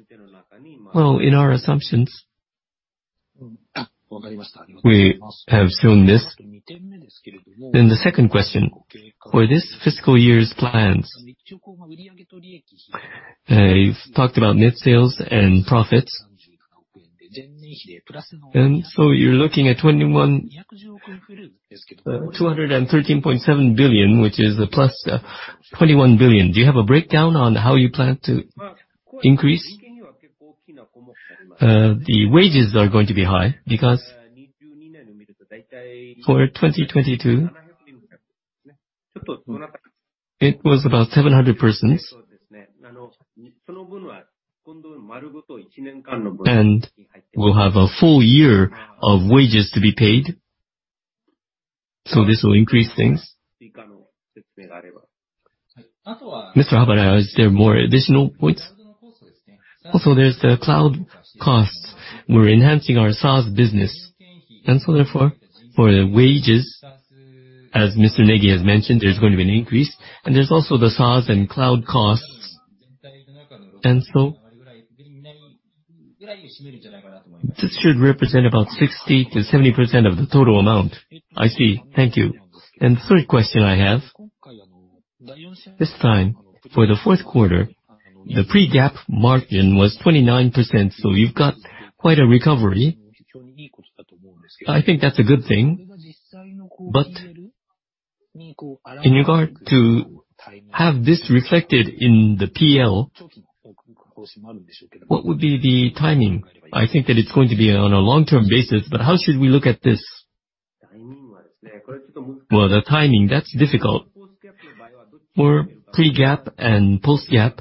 Well, in our assumptions, we have shown this. The second question. For this fiscal year's plans, you've talked about net sales and profits. You're looking at 2021, 213.7 billion, which is a plus 21 billion. Do you have a breakdown on how you plan to increase? The wages are going to be high because for 2022, it was about 700 persons. We'll have a full year of wages to be paid, so this will increase things. Mr. Habara, is there more additional points? Also, there's the cloud costs. We're enhancing our SaaS business, and so therefore, for the wages, as Mr. Negi has mentioned, there's going to be an increase. There's also the SaaS and cloud costs. This should represent about 60%-70% of the total amount. I see. Thank you. Third question I have, this time for the fourth quarter. The pre-GAAP margin was 29%, you've got quite a recovery. I think that's a good thing. In regard to have this reflected in the P&L, what would be the timing? I think that it's going to be on a long-term basis, how should we look at this? The timing, that's difficult. For pre-GAAP and post-GAAP,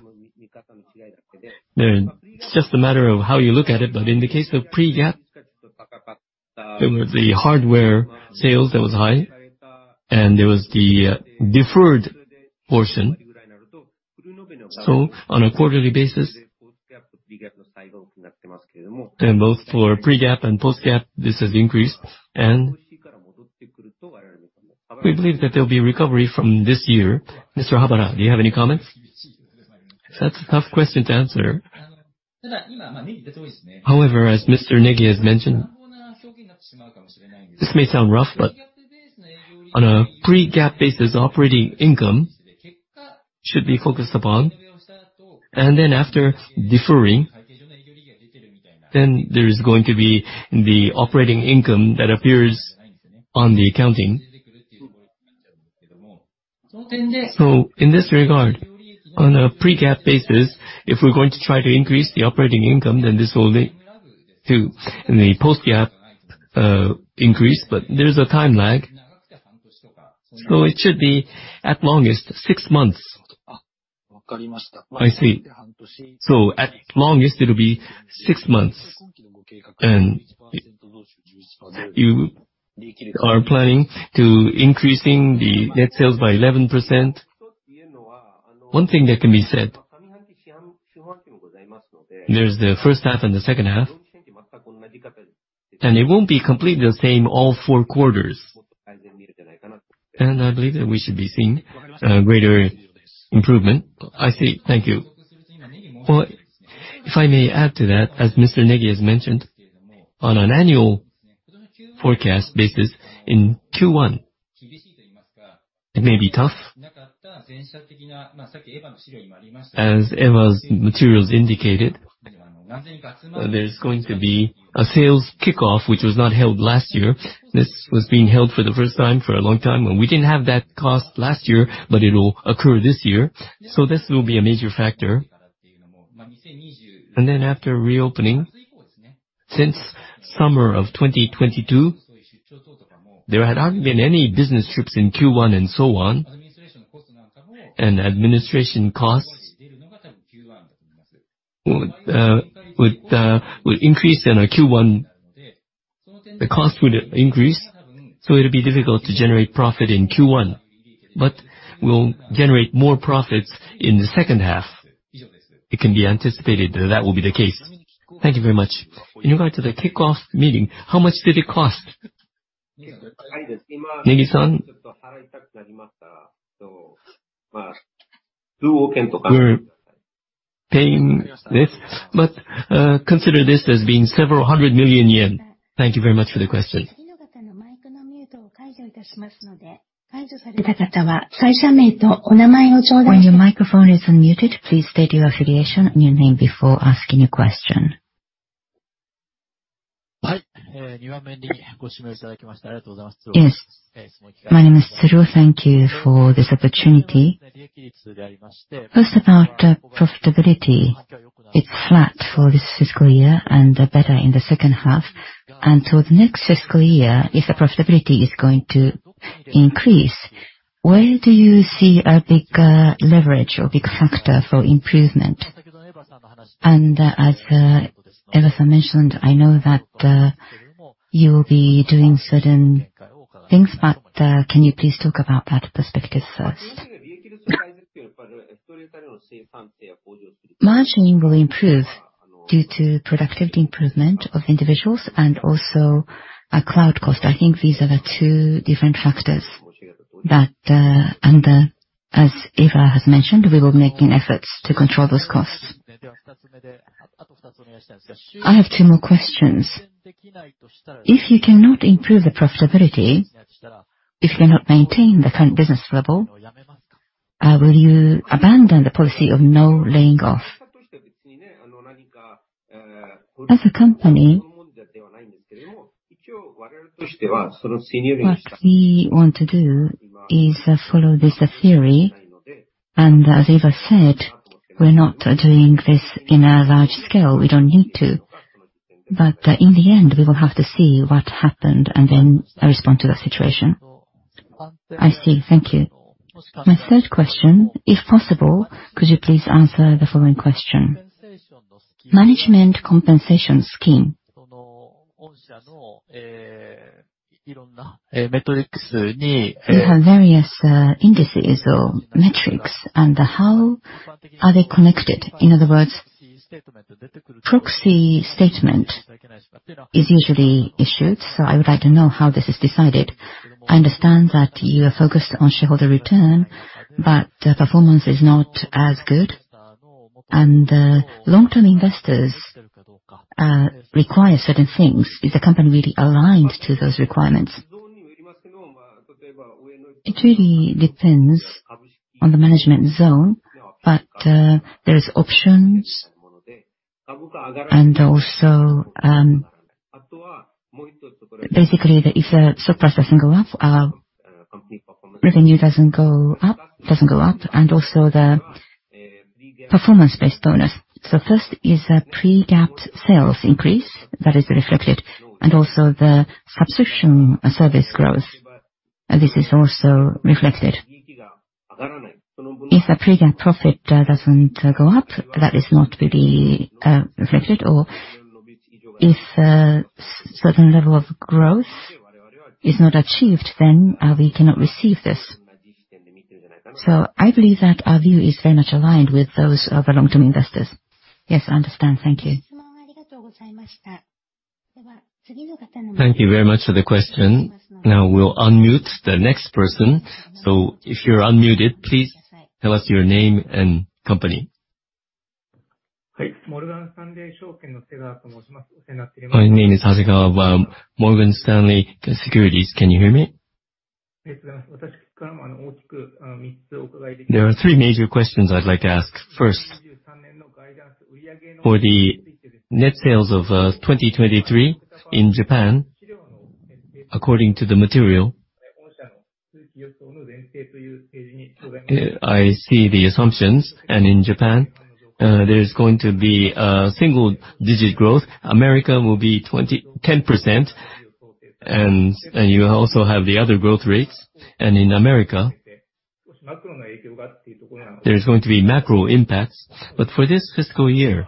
it's just a matter of how you look at it. In the case of pre-GAAP, there were the hardware sales that was high and there was the deferred portion. On a quarterly basis, both for pre-GAAP and post-GAAP, this has increased, and we believe that there'll be recovery from this year. Mr. Omikawa, do you have any comments? That's a tough question to answer. However, as Mr. Negi has mentioned, this may sound rough, on a pre-GAAP basis, operating income should be focused upon, and then after deferring, then there is going to be the operating income that appears on the accounting. In this regard, on a pre-GAAP basis, if we're going to try to increase the operating income, then this will lead to the post-GAAP increase. There's a time lag. It should be at longest six months. I see. At longest it'll be six months, and you are planning to increasing the net sales by 11%. One thing that can be said, there's the first half and the second half, and it won't be completely the same all four quarters, and I believe that we should be seeing a greater improvement. I see. Thank you. Well, if I may add to that, as Mr. Negi has mentioned, on an annual forecast basis, in Q1, it may be tough. As Eva's materials indicated, there's going to be a sales kickoff which was not held last year. This was being held for the first time for a long time. We didn't have that cost last year, but it'll occur this year. This will be a major factor. After reopening, since summer of 2022, there had not been any business trips in Q1 and so on. Administration costs would increase in our Q1. The cost would increase, so it'll be difficult to generate profit in Q1, but we'll generate more profits in the second half. It can be anticipated that that will be the case. Thank you very much. In regard to the kickoff meeting, how much did it cost? Negi-san? We're paying this. Consider this as being several hundred million yen. Thank you very much for the question. When your microphone is unmuted, please state your affiliation and your name before asking a question. Yes. My name is Tsuru. Thank you for this opportunity. First, about profitability. It's flat for this fiscal year and better in the second half. The next fiscal year, if the profitability is going to increase, where do you see a big leverage or big factor for improvement? As Eva mentioned, I know that you will be doing certain things, but can you please talk about that perspective first? Margining will improve due to productivity improvement of individuals and also our cloud cost. I think these are the two different factors that. As Eva has mentioned, we will make main efforts to control those costs. I have two more questions. If you cannot improve the profitability, if you cannot maintain the current business level, will you abandon the policy of no laying off? As a company, what we want to do is follow this theory. As Eva said, we're not doing this in a large scale. We don't need to. In the end, we will have to see what happened and then respond to the situation. I see. Thank you. My third question, if possible, could you please answer the following question? Management compensation scheme. You have various indices or metrics, and how are they connected? In other words, proxy statement is usually issued, so I would like to know how this is decided. I understand that you are focused on shareholder return, but performance is not as good and long-term investors require certain things. Is the company really aligned to those requirements? It really depends on the management zone, but, there's options and also, basically if the stock price doesn't go up, our revenue doesn't go up, and also the performance-based bonus. First is a pre-GAAP sales increase that is reflected and also the subscription service growth, this is also reflected. If a pre-GAAP profit doesn't go up, that is not really reflected, or if a certain level of growth is not achieved, we cannot receive this. I believe that our view is very much aligned with those of our long-term investors. Yes, I understand. Thank you. Thank you very much for the question. Now we'll unmute the next person. If you're unmuted, please tell us your name and company. My name is Hasegawa, Morgan Stanley Securities. Can you hear me? There are three major questions I'd like to ask. First, for the net sales of 2023 in Japan, according to the material, I see the assumptions, and in Japan, there's going to be a single-digit growth. America will be 10%, and you also have the other growth rates. In America, there's going to be macro impacts. For this fiscal year,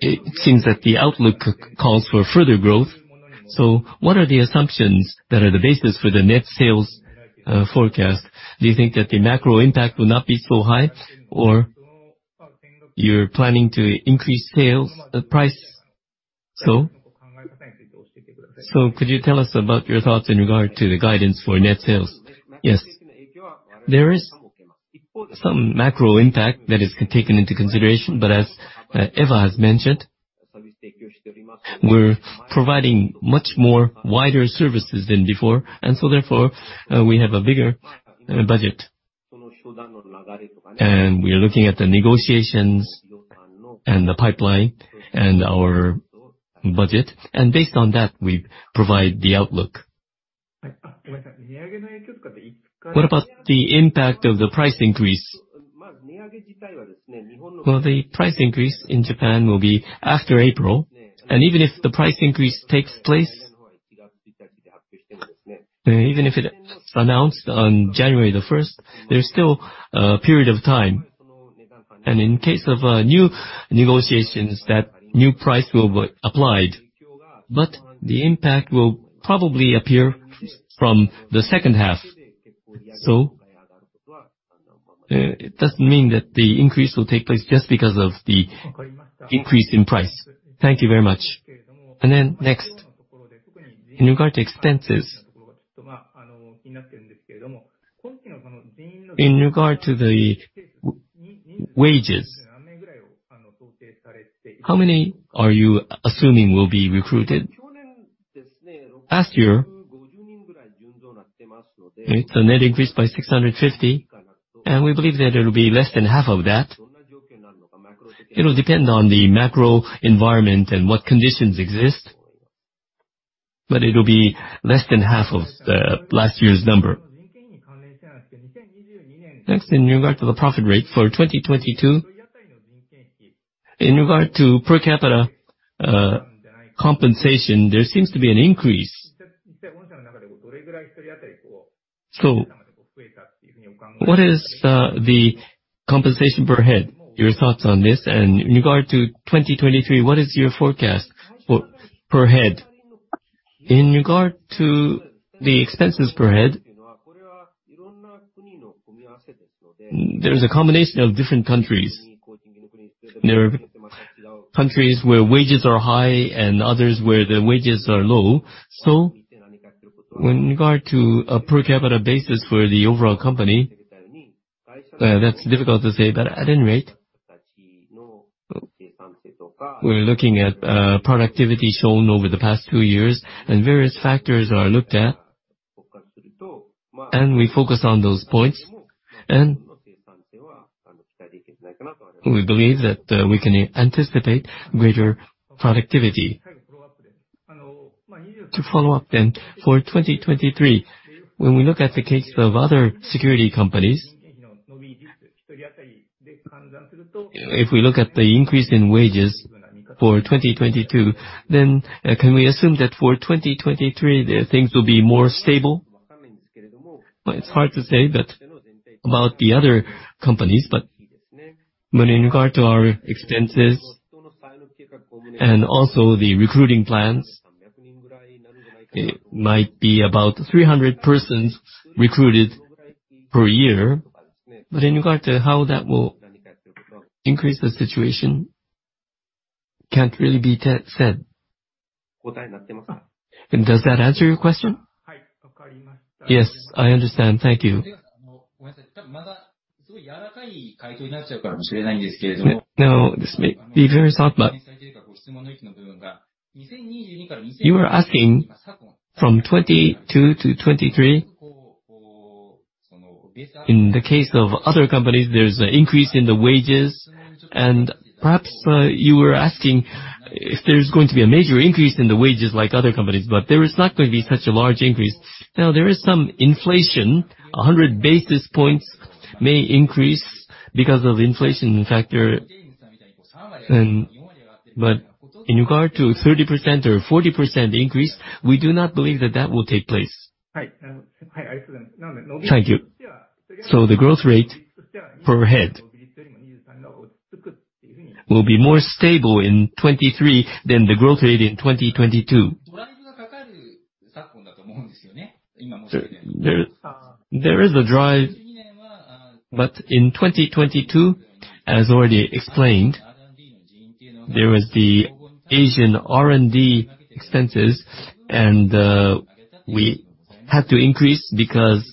it seems that the outlook calls for further growth. What are the assumptions that are the basis for the net sales forecast? Do you think that the macro impact will not be so high, or you're planning to increase sales price? Could you tell us about your thoughts in regard to the guidance for net sales? Yes. There is some macro impact that is taken into consideration, but as Eva has mentioned, we're providing much more wider services than before. Therefore, we have a bigger budget. We are looking at the negotiations and the pipeline and our budget. Based on that, we provide the outlook. What about the impact of the price increase? The price increase in Japan will be after April. Even if the price increase takes place, even if it announced on January 1st, there's still a period of time. In case of new negotiations, that new price will be applied. The impact will probably appear from the second half. It doesn't mean that the increase will take place just because of the increase in price. Thank you very much. Next, in regard to expenses. In regard to the wages, how many are you assuming will be recruited? Last year, it's a net increase by 650, and we believe that it'll be less than half of that. It'll depend on the macro environment and what conditions exist, but it'll be less than half of the last year's number. Next, in regard to the profit rate for 2022, in regard to per capita compensation, there seems to be an increase. What is the compensation per head, your thoughts on this? In regard to 2023, what is your forecast for per head? In regard to the expenses per head, there is a combination of different countries. There are countries where wages are high and others where the wages are low. When regard to a per capita basis for the overall company, that's difficult to say. At any rate, we're looking at productivity shown over the past two years and various factors are looked at, and we focus on those points. We believe that we can anticipate greater productivity. To follow up, for 2023, when we look at the case of other security companies, if we look at the increase in wages for 2022, can we assume that for 2023 the things will be more stable? It's hard to say, but about the other companies, but when in regard to our expenses and also the recruiting plans, it might be about 300 persons recruited per year. In regard to how that will increase the situation can't really be said. Does that answer your question? Yes, I understand. Thank you. This may be very soft, but you were asking from 2022 to 2023. In the case of other companies, there's an increase in the wages and perhaps, you were asking if there's going to be a major increase in the wages like other companies, but there is not going to be such a large increase. There is some inflation. 100 basis points may increase because of inflation factor. In regard to 30% or 40% increase, we do not believe that that will take place. Thank you. The growth rate per head will be more stable in 2023 than the growth rate in 2022. There is a drive. In 2022, as already explained, there was the Asian R&D expenses and we had to increase because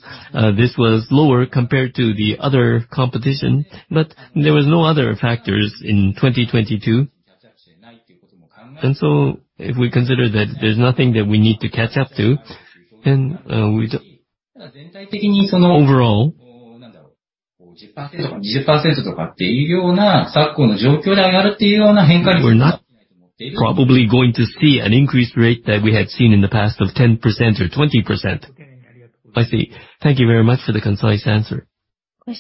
this was lower compared to the other competition. There was no other factors in 2022. If we consider that there's nothing that we need to catch up to, then, we don't. Overall, we're not probably going to see an increase rate that we had seen in the past of 10% or 20%. I see. Thank you very much for the concise answer. Thank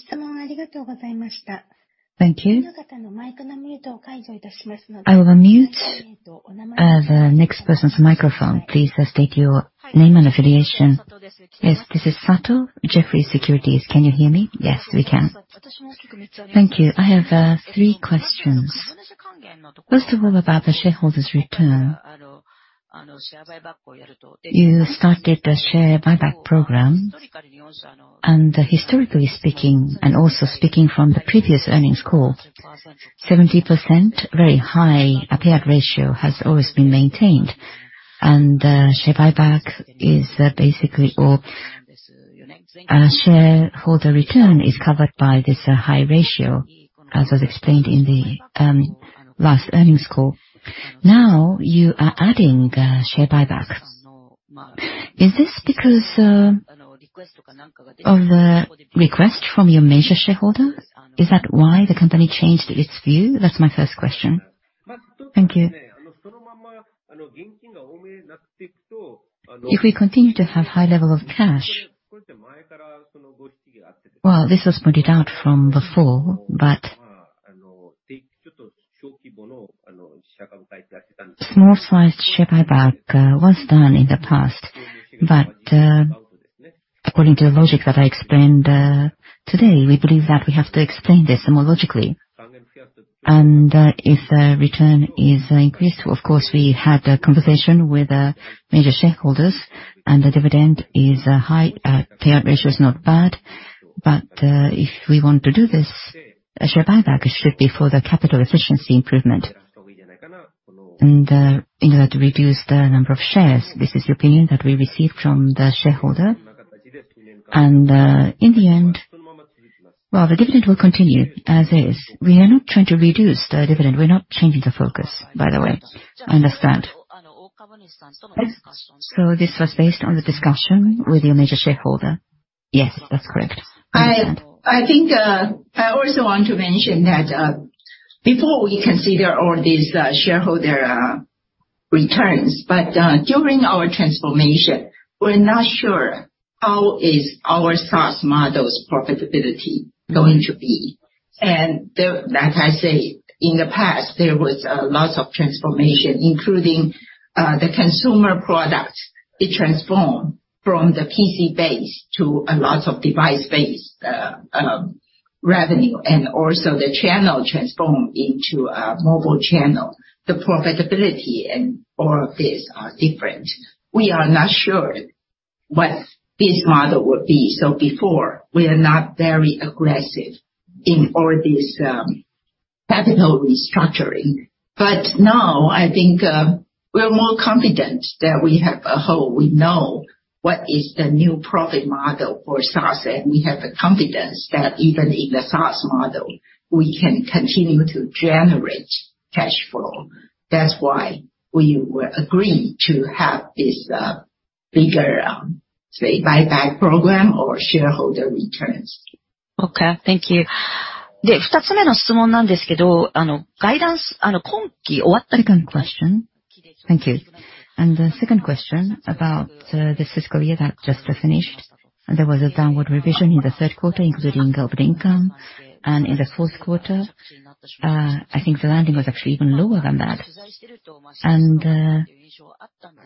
you. I will unmute the next person's microphone. Please state your name and affiliation. Yes, this is Sato, Jefferies Securities. Can you hear me? Yes, we can. Thank you. I have three questions. First of all, about the shareholders return. You started the share buyback program. Historically speaking, and also speaking from the previous earnings call, 70%, very high payout ratio has always been maintained. Share buyback is basically Our shareholder return is covered by this high ratio, as was explained in the last earnings call. Now, you are adding share buybacks. Is this because on the request from your major shareholder? Is that why the company changed its view? That's my first question. Thank you. If we continue to have high level of cash, well, this was pointed out from before, but small sized share buyback, was done in the past. According to the logic that I explained, today, we believe that we have to explain this more logically. If the return is increased, of course, we had a conversation with, major shareholders and the dividend is, high, payout ratio is not bad. If we want to do this, a share buyback should be for the capital efficiency improvement. In order to reduce the number of shares, this is the opinion that we received from the shareholder. In the end... Well, the dividend will continue as is. We are not trying to reduce the dividend. We're not changing the focus, by the way. I understand. This was based on the discussion with your major shareholder? Yes, that's correct. I understand. I think, I also want to mention that before we consider all these shareholder returns. During our transformation, we're not sure how is our SaaS model's profitability going to be. There, like I say, in the past, there was lots of transformation, including the Consumer products. It transformed from the PC base to a lot of device-based revenue and also the channel transformed into a mobile channel. The profitability and all of this are different. We are not sure what this model will be. Before, we are not very aggressive in all this capital restructuring. Now, I think, we're more confident that we have a whole. We know what is the new profit model for SaaS, and we have the confidence that even in the SaaS model, we can continue to generate cash flow. That's why we were agree to have this, bigger, say, buyback program or shareholder returns. Okay, thank you. Second question. Thank you. The second question about this fiscal year that just finished. There was a downward revision in the third quarter, including operating income. In the fourth quarter, I think the landing was actually even lower than that.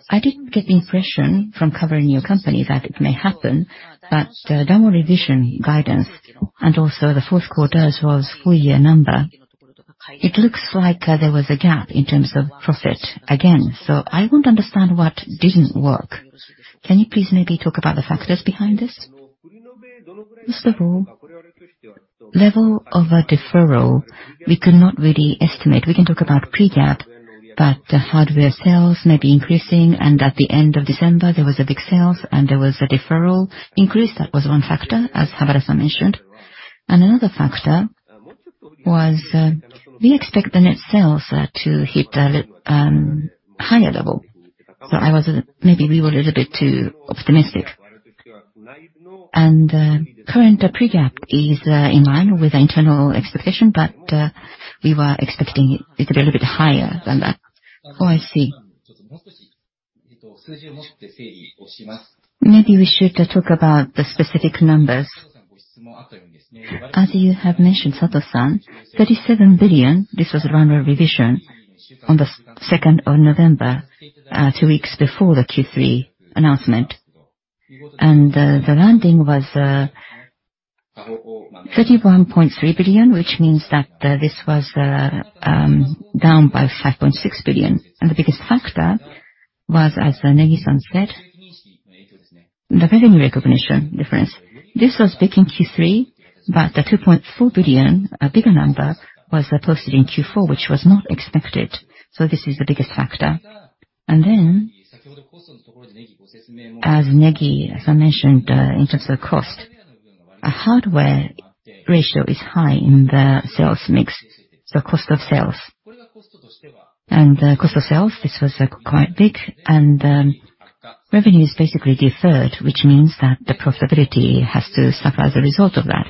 I did get the impression from covering your company that it may happen, but downward revision guidance and also the fourth quarter as well as full year number, it looks like there was a gap in terms of profit again. I want to understand what didn't work. Can you please maybe talk about the factors behind this? Level of a deferral, we could not really estimate. We can talk about pre-GAAP The hardware sales may be increasing, and at the end of December, there was a big sales and there was a deferral increase. That was one factor, as Habara-san mentioned. Another factor was, we expect the net sales to hit a higher level. Maybe we were a little bit too optimistic. Current pre-GAAP is in line with internal expectation, but we were expecting it to be a little bit higher than that. Oh, I see. Maybe we should talk about the specific numbers. As you have mentioned, Sato-san, 37 billion, this was run revision on the 2nd of November, two weeks before the Q3 announcement. The landing was 31.3 billion, which means that this was down by 5.6 billion. The biggest factor was, as Negi-san said, the revenue recognition difference. This was big in Q3, but the 2.4 billion, a bigger number, was posted in Q4, which was not expected. This is the biggest factor. Then, as I mentioned, in terms of cost, a hardware ratio is high in the sales mix, so cost of sales. Cost of sales, this was quite big. Revenue is basically deferred, which means that the profitability has to suffer as a result of that.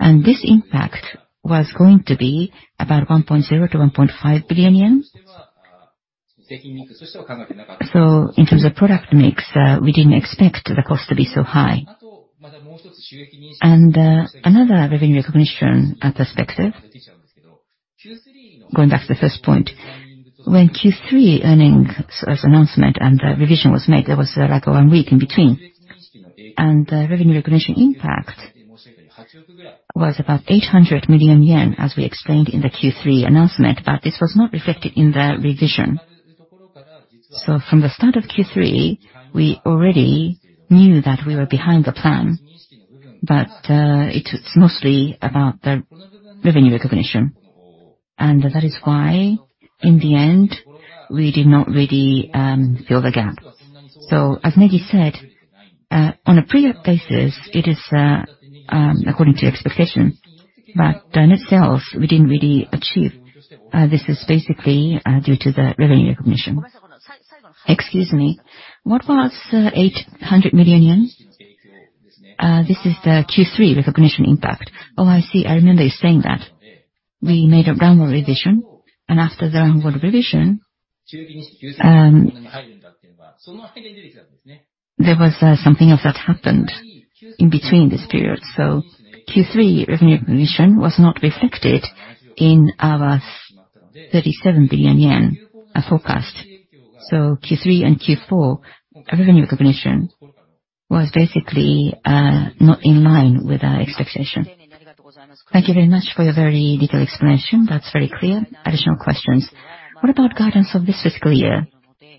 This impact was going to be about 1.0 billion-1.5 billion yen. In terms of product mix, we didn't expect the cost to be so high. Another revenue recognition perspective, going back to the first point, when Q3 earnings announcement and revision was made, there was a lag of one week in between. Revenue recognition impact was about 800 million yen, as we explained in the Q3 announcement, but this was not reflected in the revision. From the start of Q3, we already knew that we were behind the plan, but it's mostly about the revenue recognition. That is why in the end, we did not really fill the gap. As Negi said, on a pre-GAAP basis, it is according to expectation, but the net sales we didn't really achieve. This is basically due to the revenue recognition. Excuse me. What was 800 million yen? This is the Q3 recognition impact. Oh, I see. I remember you saying that. We made a downward revision, After the downward revision, there was something else that happened in between this period. Q3 revenue recognition was not reflected in our 37 billion yen forecast. Q3 and Q4 revenue recognition was basically not in line with our expectation. Thank you very much for your very detailed explanation. That's very clear. Additional questions. What about guidance of this fiscal year?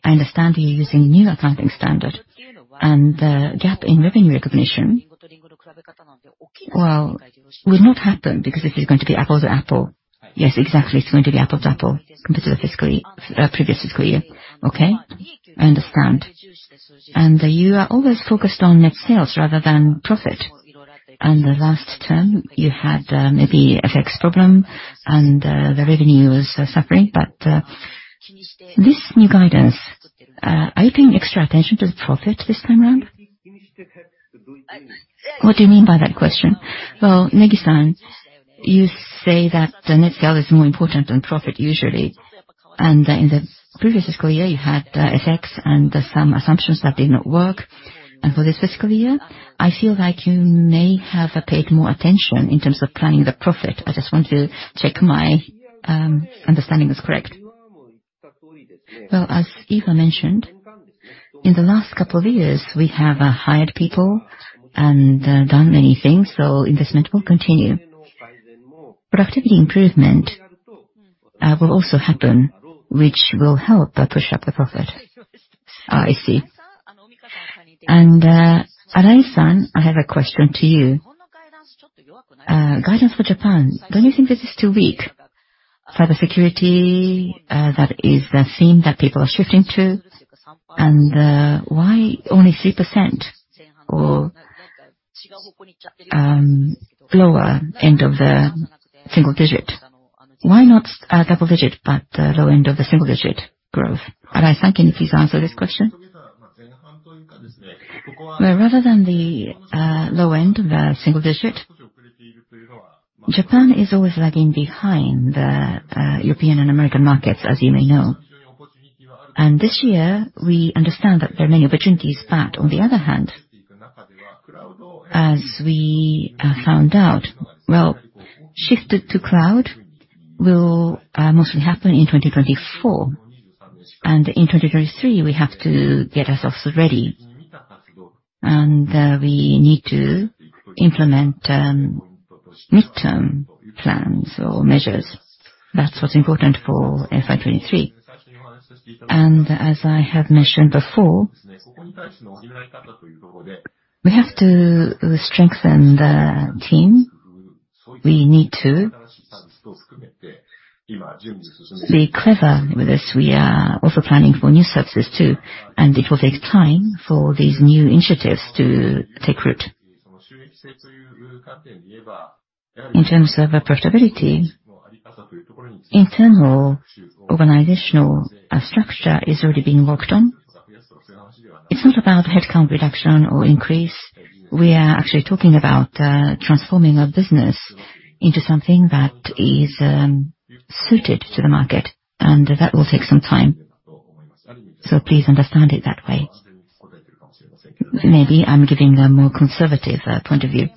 I understand you're using new accounting standard, and the gap in revenue recognition, well, will not happen because this is going to be apples to apple. Yes, exactly. It's going to be apples to apple compared to the previous fiscal year. Okay, I understand. You are always focused on net sales rather than profit. The last term, you had maybe FX problem and the revenue was suffering. This new guidance, are you paying extra attention to the profit this time around? What do you mean by that question? Well, Negi-san, you say that the net scale is more important than profit usually. In the previous fiscal year, you had FX and some assumptions that did not work. For this fiscal year, I feel like you may have paid more attention in terms of planning the profit. I just want to check my understanding is correct. Well, as Eva mentioned, in the last couple of years, we have hired people and done many things, so investment will continue. Productivity improvement will also happen, which will help push up the profit. I see. Arai-san, I have a question to you. Guidance for Japan, don't you think this is too weak? Cybersecurity, that is the theme that people are shifting to. Why only 3% or lower end of the single digit? Why not a double digit, but low end of the single-digit growth? Arai-san, can you please answer this question? Well, rather than the low end of the single digit, Japan is always lagging behind the European and American markets, as you may know. This year, we understand that there are many opportunities. On the other hand, as we found out, well, shifted to cloud will mostly happen in 2024. In 2023, we have to get ourselves ready, and we need to implement midterm plans or measures. That's what's important for FY 2023. As I have mentioned before, we have to strengthen the team. We need to be clever with this. We are also planning for new services too, and it will take time for these new initiatives to take root. In terms of profitability, internal organizational structure is already being worked on. It's not about headcount reduction or increase. We are actually talking about transforming our business into something that is suited to the market, and that will take some time. Please understand it that way. Maybe I'm giving a more conservative point of view.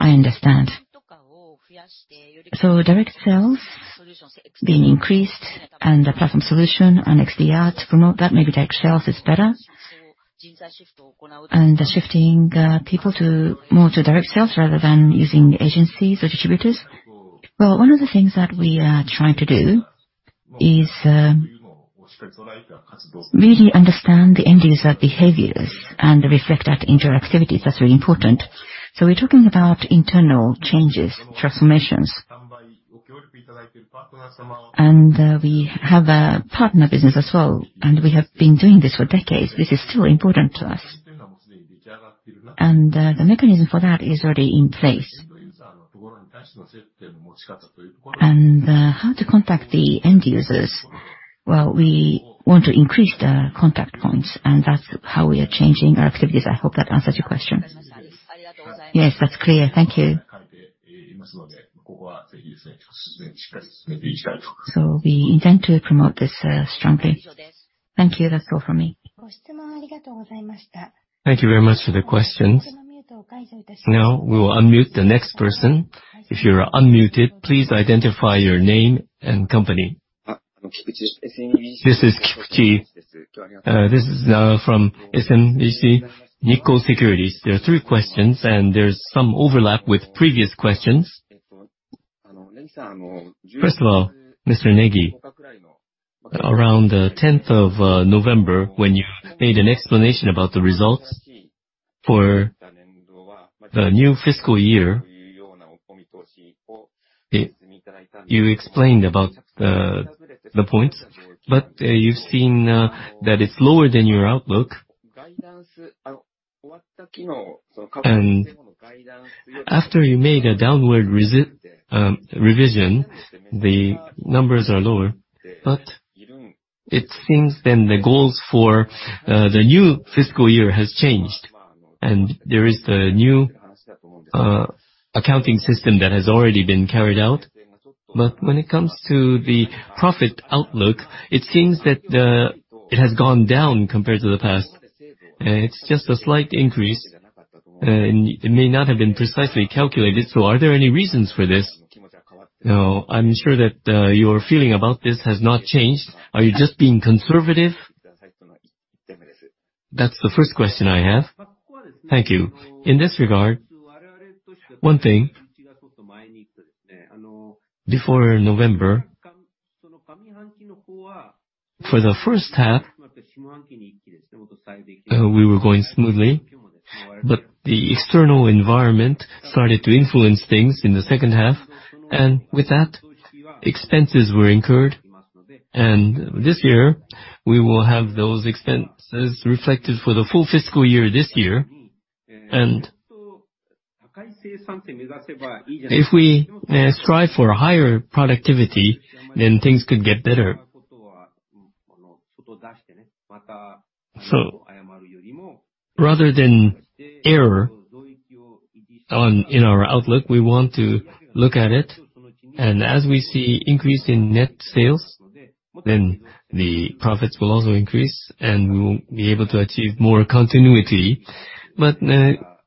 I understand. Direct sales being increased and the platform solution and XDR to promote that, maybe direct sales is better. Shifting people to more to direct sales rather than using agencies or distributors. Well, one of the things that we are trying to do is really understand the end user behaviors and reflect that into our activities. That's really important. We're talking about internal changes, transformations. We have a partner business as well, and we have been doing this for decades. This is still important to us. The mechanism for that is already in place. How to contact the end users, well, we want to increase the contact points, and that's how we are changing our activities. I hope that answers your question. Yes, that's clear. Thank you. We intend to promote this strongly. Thank you. That's all for me. Thank you very much for the questions. Now we will unmute the next person. If you are unmuted, please identify your name and company. This is Kikuchi. This is from SMBC Nikko Securities. There are three questions, and there's some overlap with previous questions. First of all, Mr. Negi, around the tenth of November, when you made an explanation about the results for the new fiscal year, you explained about the points, but you've seen that it's lower than your outlook. After you made a downward revision, the numbers are lower. It seems then the goals for the new fiscal year has changed, and there is the new accounting system that has already been carried out. When it comes to the profit outlook, it seems that it has gone down compared to the past. It's just a slight increase, and it may not have been precisely calculated. Are there any reasons for this? I'm sure that, your feeling about this has not changed. Are you just being conservative? That's the first question I have. Thank you. In this regard, one thing, before November, for the first half, we were going smoothly, but the external environment started to influence things in the second half. With that, expenses were incurred. This year, we will have those expenses reflected for the full fiscal year this year. If we strive for higher productivity, then things could get better. Rather than error in our outlook, we want to look at it. As we see increase in net sales, then the profits will also increase, and we will be able to achieve more continuity.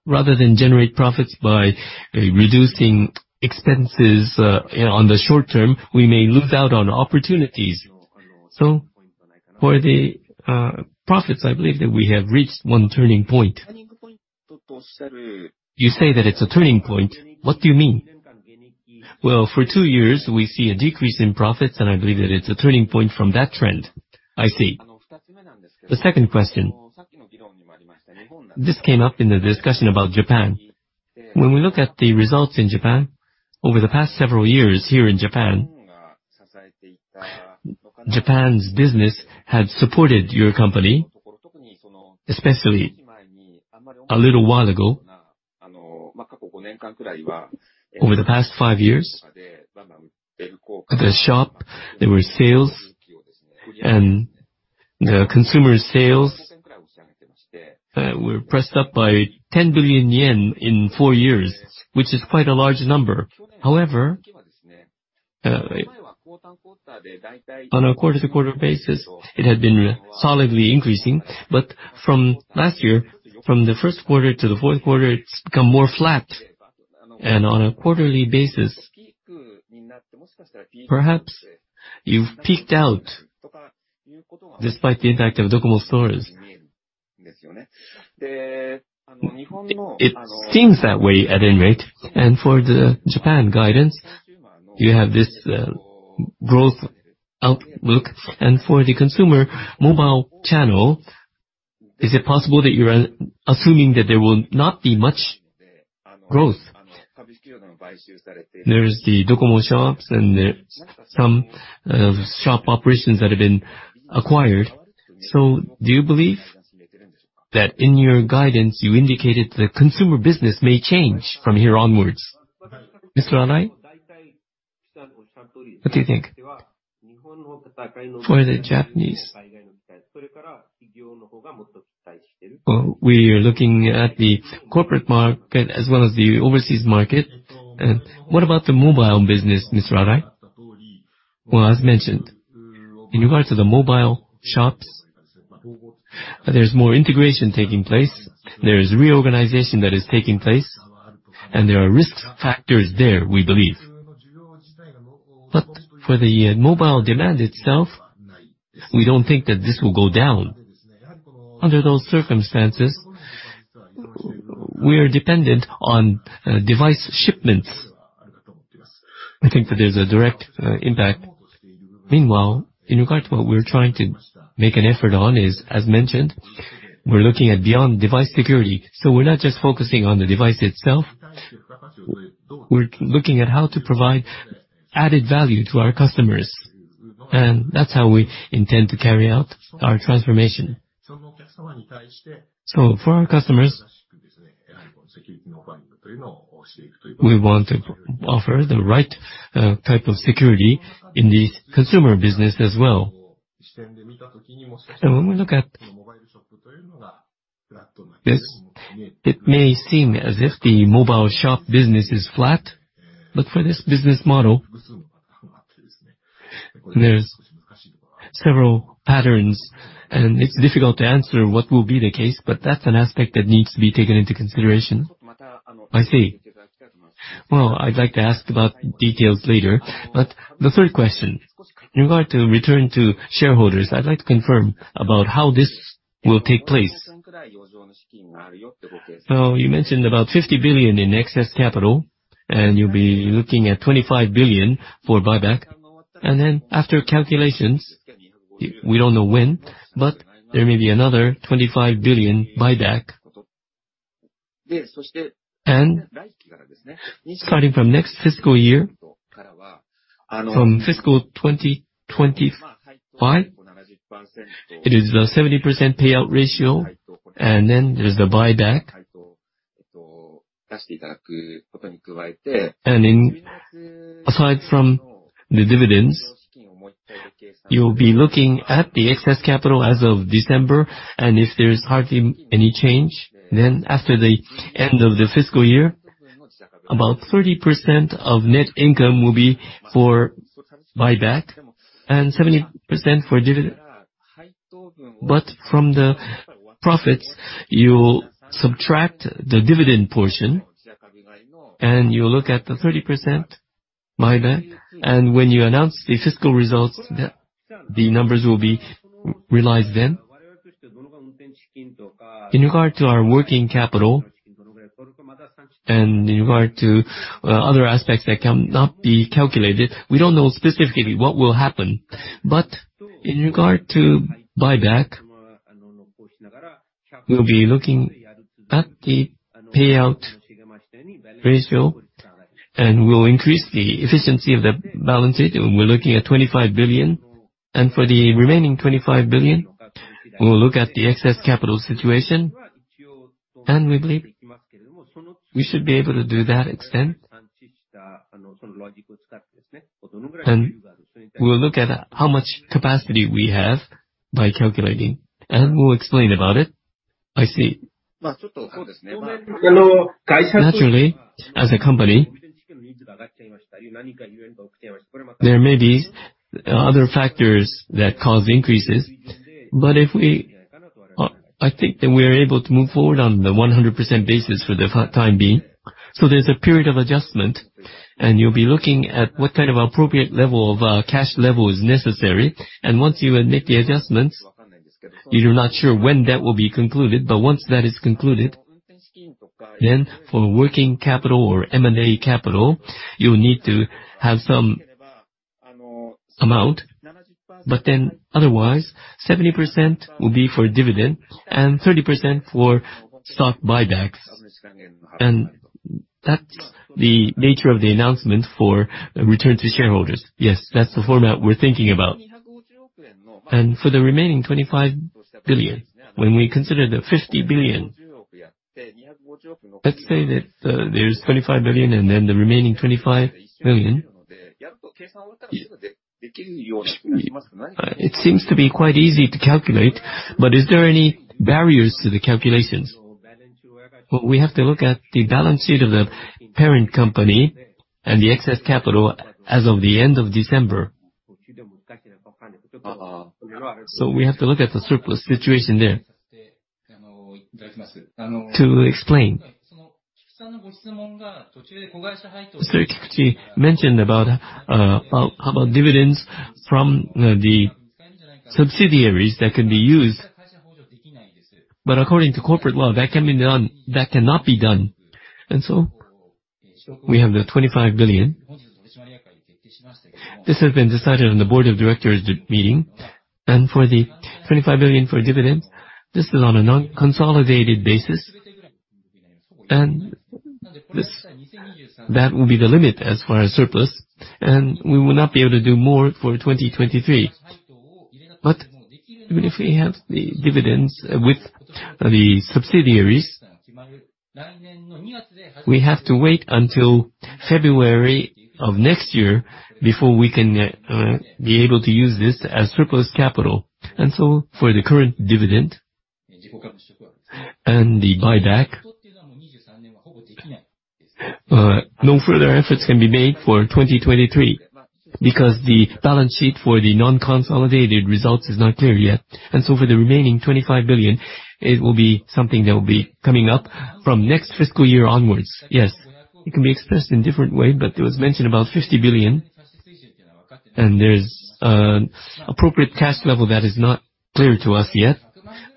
Rather than generate profits by reducing expenses, on the short term, we may lose out on opportunities. For the profits, I believe that we have reached one turning point. You say that it's a turning point. What do you mean? For two years, we see a decrease in profits, and I believe that it's a turning point from that trend. I see. The second question. This came up in the discussion about Japan. When we look at the results in Japan over the past several years here in Japan's business had supported your company, especially a little while ago. Over the past five years, the shop, there were sales, and the Consumer sales were pressed up by 10 billion yen in four years, which is quite a large number. On a quarter-to-quarter basis, it had been solidly increasing. From last year, from the first quarter to the fourth quarter, it's become more flat and on a quarterly basis. Perhaps you've peaked out despite the impact of Docomo stores. It seems that way at any rate. For the Japan guidance, you have this growth outlook. For the Consumer mobile channel, is it possible that you are assuming that there will not be much growth? There is the docomo shops and the, some, shop operations that have been acquired. Do you believe that in your guidance, you indicated the Consumer business may change from here onwards? Mr. Arai, what do you think? For the Japanese. We are looking at the corporate market as well as the overseas market. What about the mobile business, Mr. Arai? As mentioned, in regard to the mobile shops, there's more integration taking place. There is reorganization that is taking place, and there are risk factors there, we believe. For the mobile demand itself, we don't think that this will go down. Under those circumstances, we are dependent on device shipments. I think that there's a direct impact. Meanwhile, in regard to what we're trying to make an effort on is, as mentioned, we're looking at beyond device security. We're not just focusing on the device itself. We're looking at how to provide added value to our customers, and that's how we intend to carry out our transformation. For our customers, we want to offer the right type of security in the Consumer business as well. When we look at this, it may seem as if the mobile shop business is flat, but for this business model, there's several patterns, and it's difficult to answer what will be the case, but that's an aspect that needs to be taken into consideration. I see. Well, I'd like to ask about details later, but the third question, in regard to return to shareholders, I'd like to confirm about how this will take place. You mentioned about 50 billion in excess capital, and you'll be looking at 25 billion for buyback. After calculations, we don't know when, but there may be another 25 billion buyback. Starting from next fiscal year, from fiscal 2025, it is the 70% payout ratio, and then there's the buyback. Aside from the dividends, you'll be looking at the excess capital as of December, and if there's hardly any change, then after the end of the fiscal year, about 30% of net income will be for buyback and 70% for dividend. From the profits, you'll subtract the dividend portion, and you'll look at the 30% buyback. When you announce the fiscal results, the numbers will be realized then? In regard to our working capital and in regard to other aspects that cannot be calculated, we don't know specifically what will happen. In regard to buyback, we'll be looking at the payout ratio, we'll increase the efficiency of the balance sheet, we're looking at 25 billion. For the remaining 25 billion, we'll look at the excess capital situation, we believe we should be able to do that extent. We will look at how much capacity we have by calculating, we'll explain about it. I see. Naturally, as a company, there may be other factors that cause increases. If we, I think that we are able to move forward on the 100% basis for the time being. There's a period of adjustment, and you'll be looking at what kind of appropriate level of cash level is necessary. Once you make the adjustments, you're not sure when that will be concluded. Once that is concluded, for working capital or M&A capital, you'll need to have some amount. Otherwise, 70% will be for dividend and 30% for stock buybacks. That's the nature of the announcement for return to shareholders. Yes. That's the format we're thinking about. For the remaining $25 billion, when we consider the $50 billion, let's say that there's $25 billion and then the remaining $25 billion. It seems to be quite easy to calculate, but is there any barriers to the calculations? Well, we have to look at the balance sheet of the parent company and the excess capital as of the end of December. We have to look at the surplus situation there. To explain, Mr. Kikuchi mentioned about dividends from the subsidiaries that can be used. According to corporate law, that cannot be done. We have the 25 billion. This has been decided on the board of directors meeting. For the 25 billion for dividend, this is on a non-consolidated basis. That will be the limit as for our surplus, and we will not be able to do more for 2023. Even if we have the dividends with the subsidiaries, we have to wait until February of next year before we can be able to use this as surplus capital. For the current dividend and the buyback, no further efforts can be made for 2023 because the balance sheet for the non-consolidated results is not clear yet. For the remaining 25 billion, it will be something that will be coming up from next fiscal year onwards. Yes. It can be expressed in different way, but it was mentioned about 50 billion. There is an appropriate cash level that is not clear to us yet.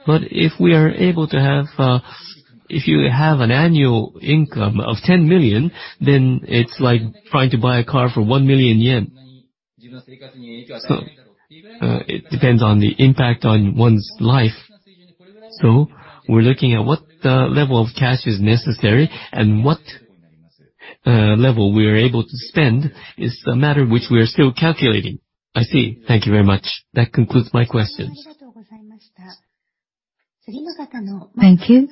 If we are able to have, if you have an annual income of 10 million, then it's like trying to buy a car for 1 million yen. It depends on the impact on one's life. We're looking at what level of cash is necessary and what level we are able to spend is a matter which we are still calculating. I see. Thank you very much. That concludes my questions. Thank you.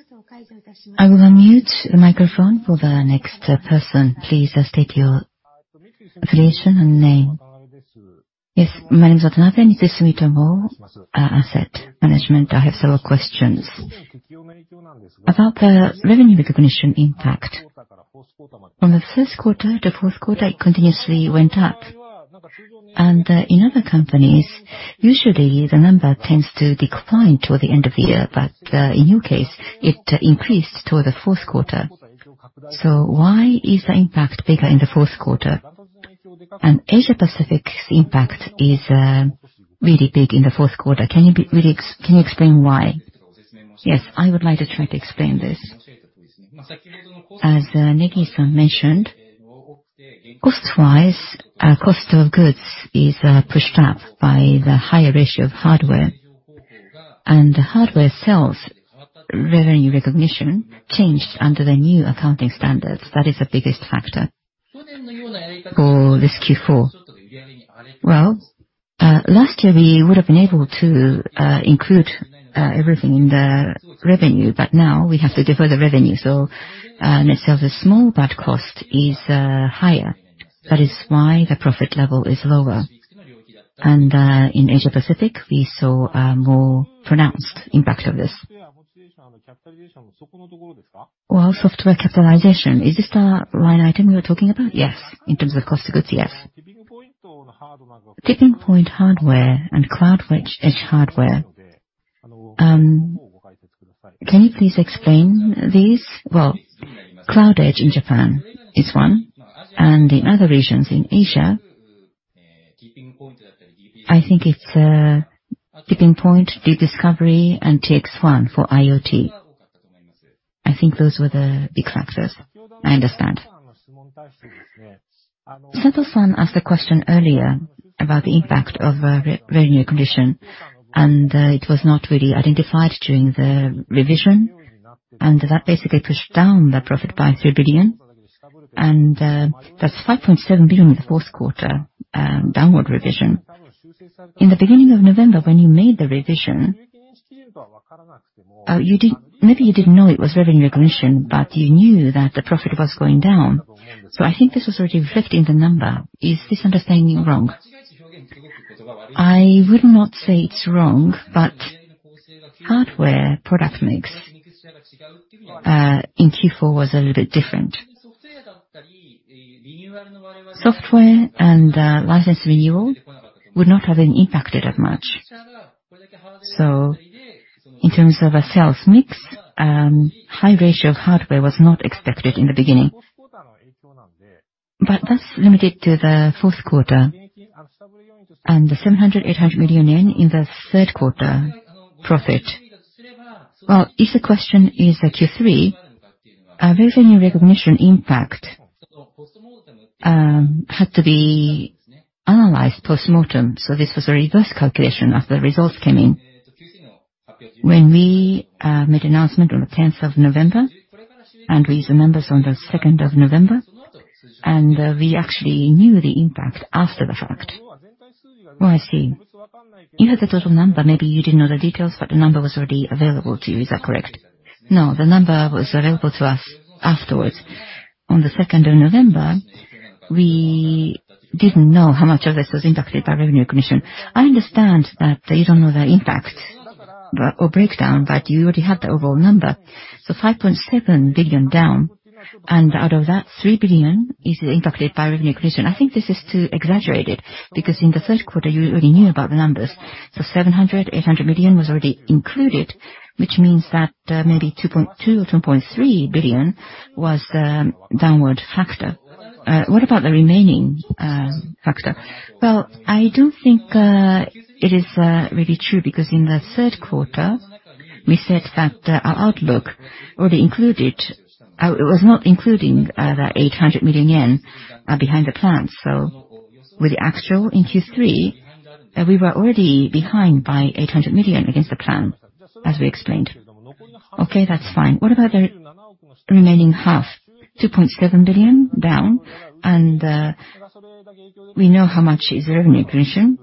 I will unmute the microphone for the next person. Please state your affiliation and name. Yes. My name is Asset Management. I have several questions. About the revenue recognition impact, from the first quarter to fourth quarter, it continuously went up. In other companies, usually the number tends to decline toward the end of the year, but in your case, it increased toward the fourth quarter. Why is the impact bigger in the fourth quarter? Asia Pacific's impact is really big in the fourth quarter. Can you really explain why? Yes, I would like to try to explain this. As Negi-san mentioned, cost-wise, our cost of goods is pushed up by the higher ratio of hardware. Hardware sales revenue recognition changed under the new accounting standards. That is the biggest factor for this Q4. Last year, we would have been able to include everything in the revenue, now we have to defer the revenue. In itself is small, cost is higher. That is why the profit level is lower. In Asia Pacific, we saw a more pronounced impact of this. Software capitalization, is this the line item you were talking about? Yes. In terms of cost of goods? Yes. TippingPoint hardware and CloudEdge edge hardware, can you please explain these? CloudEdge in Japan is one, in other regions in Asia, I think it's TippingPoint Deep Discovery and TXOne for IoT. I think those were the big factors. I understand. Sato-san asked a question earlier about the impact of revenue recognition, it was not really identified during the revision, that basically pushed down the profit by 3 billion. That's 5.7 billion in the fourth quarter, downward revision. In the beginning of November, when you made the revision, maybe you didn't know it was revenue recognition, but you knew that the profit was going down. I think this was already reflected in the number. Is this understanding wrong? I would not say it's wrong, hardware product mix in Q4 was a little bit different. Software and license renewal would not have been impacted as much. In terms of a sales mix, high ratio of hardware was not expected in the beginning. That's limited to the fourth quarter and the 700 million yen, 800 million yen in the third quarter profit. Well, if the question is the Q3, our revenue recognition impact had to be analyzed post-mortem, so this was a reverse calculation after the results came in. When we made announcement on the 10th of November, and we use the numbers on the 2nd of November, and we actually knew the impact after the fact. Oh, I see. You had the total number. Maybe you didn't know the details, but the number was already available to you. Is that correct? No, the number was available to us afterwards. On the 2nd of November, we didn't know how much of this was impacted by revenue recognition. I understand that you don't know the impact or breakdown, but you already had the overall number. 5.7 billion down, and out of that, 3 billion is impacted by revenue recognition. I think this is too exaggerated because in the third quarter, you already knew about the numbers. 700 million-800 million was already included, which means that maybe 2.2 billion or 2.3 billion was the downward factor. What about the remaining factor? I do think it is really true because in the third quarter. We said that our outlook already included. It was not including the 800 million yen behind the plan. With the actual in Q3, we were already behind by 800 million against the plan, as we explained. Okay, that's fine. What about the remaining half, 2.7 billion down? We know how much is revenue commission.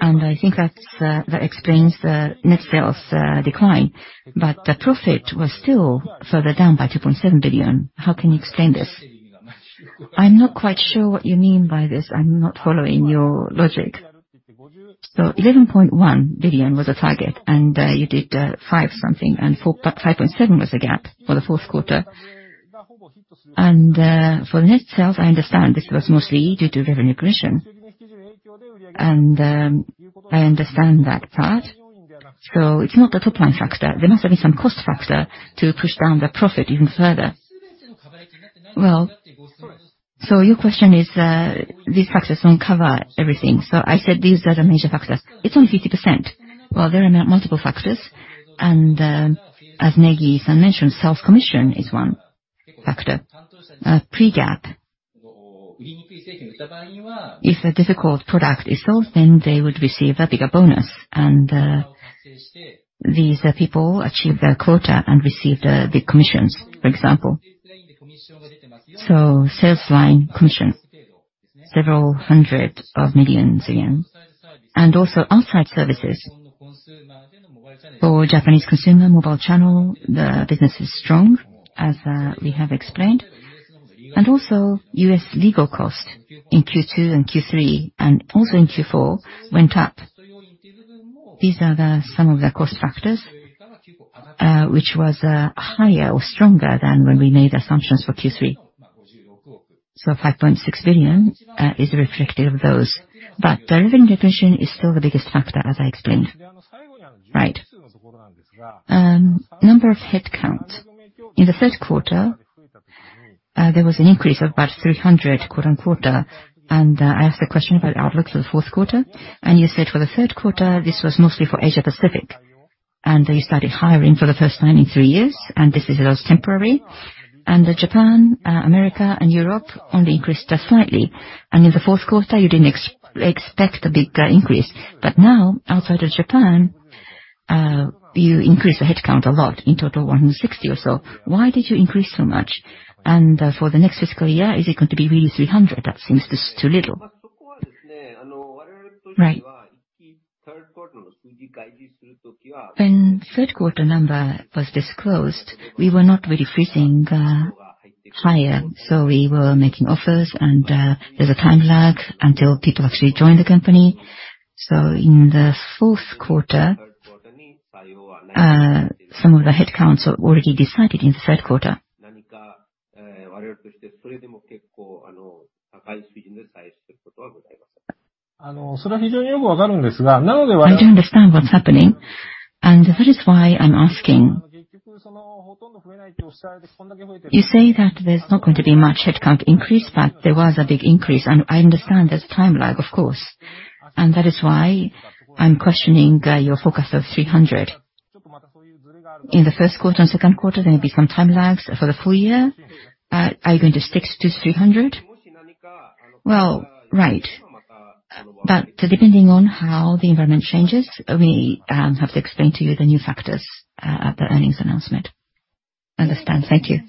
I think that's that explains the net sales decline. The profit was still further down by 2.7 billion. How can you explain this? I'm not quite sure what you mean by this. I'm not following your logic. 11.1 billion was the target, and you did five something, and 5.7 was the gap for the fourth quarter. For net sales, I understand this was mostly due to revenue commission, and I understand that part. It's not the top-line factor. There must have been some cost factor to push down the profit even further. Your question is, these factors don't cover everything. I said these are the major factors. It's only 50%. There are multiple factors. As Negi-san mentioned, sales commission is one factor. Pre-GAAP. If a difficult product is sold, then they would receive a bigger bonus. These people achieve their quota and receive the commissions, for example. Sales line commission, several hundred million yen a year. Also outside services. For Japanese Consumer mobile channel, the business is strong, as we have explained. Also U.S. legal cost in Q2 and Q3, and also in Q4, went up. These are the some of the cost factors which was higher or stronger than when we made assumptions for Q3. 5.6 billion is reflective of those. But the revenue commission is still the biggest factor, as I explained. Right. Number of headcounts. In the third quarter there was an increase of about 300 quarter-on-quarter. I asked a question about outlook for the fourth quarter, and you said for the third quarter, this was mostly for Asia-Pacific. You started hiring for the first time in three years, and it was temporary. Japan, America and Europe only increased slightly. In the fourth quarter, you didn't expect a big increase. Now, outside of Japan, you increased the headcount a lot, in total 160 or so. Why did you increase so much? For the next fiscal year, is it going to be really 300? That seems just too little. Right. When third quarter number was disclosed, we were not really freezing hire. We were making offers. There's a time lag until people actually join the company. In the fourth quarter, some of the headcounts are already decided in the third quarter. I do understand what's happening, and that is why I'm asking. You say that there's not going to be much headcount increase, but there was a big increase. I understand there's time lag, of course. That is why I'm questioning your focus of 300. In the first quarter and second quarter, there may be some time lags. For the full year, are you going to stick to 300? Well, right. Depending on how the environment changes, we have to explain to you the new factors at the earnings announcement. Understand. Thank you.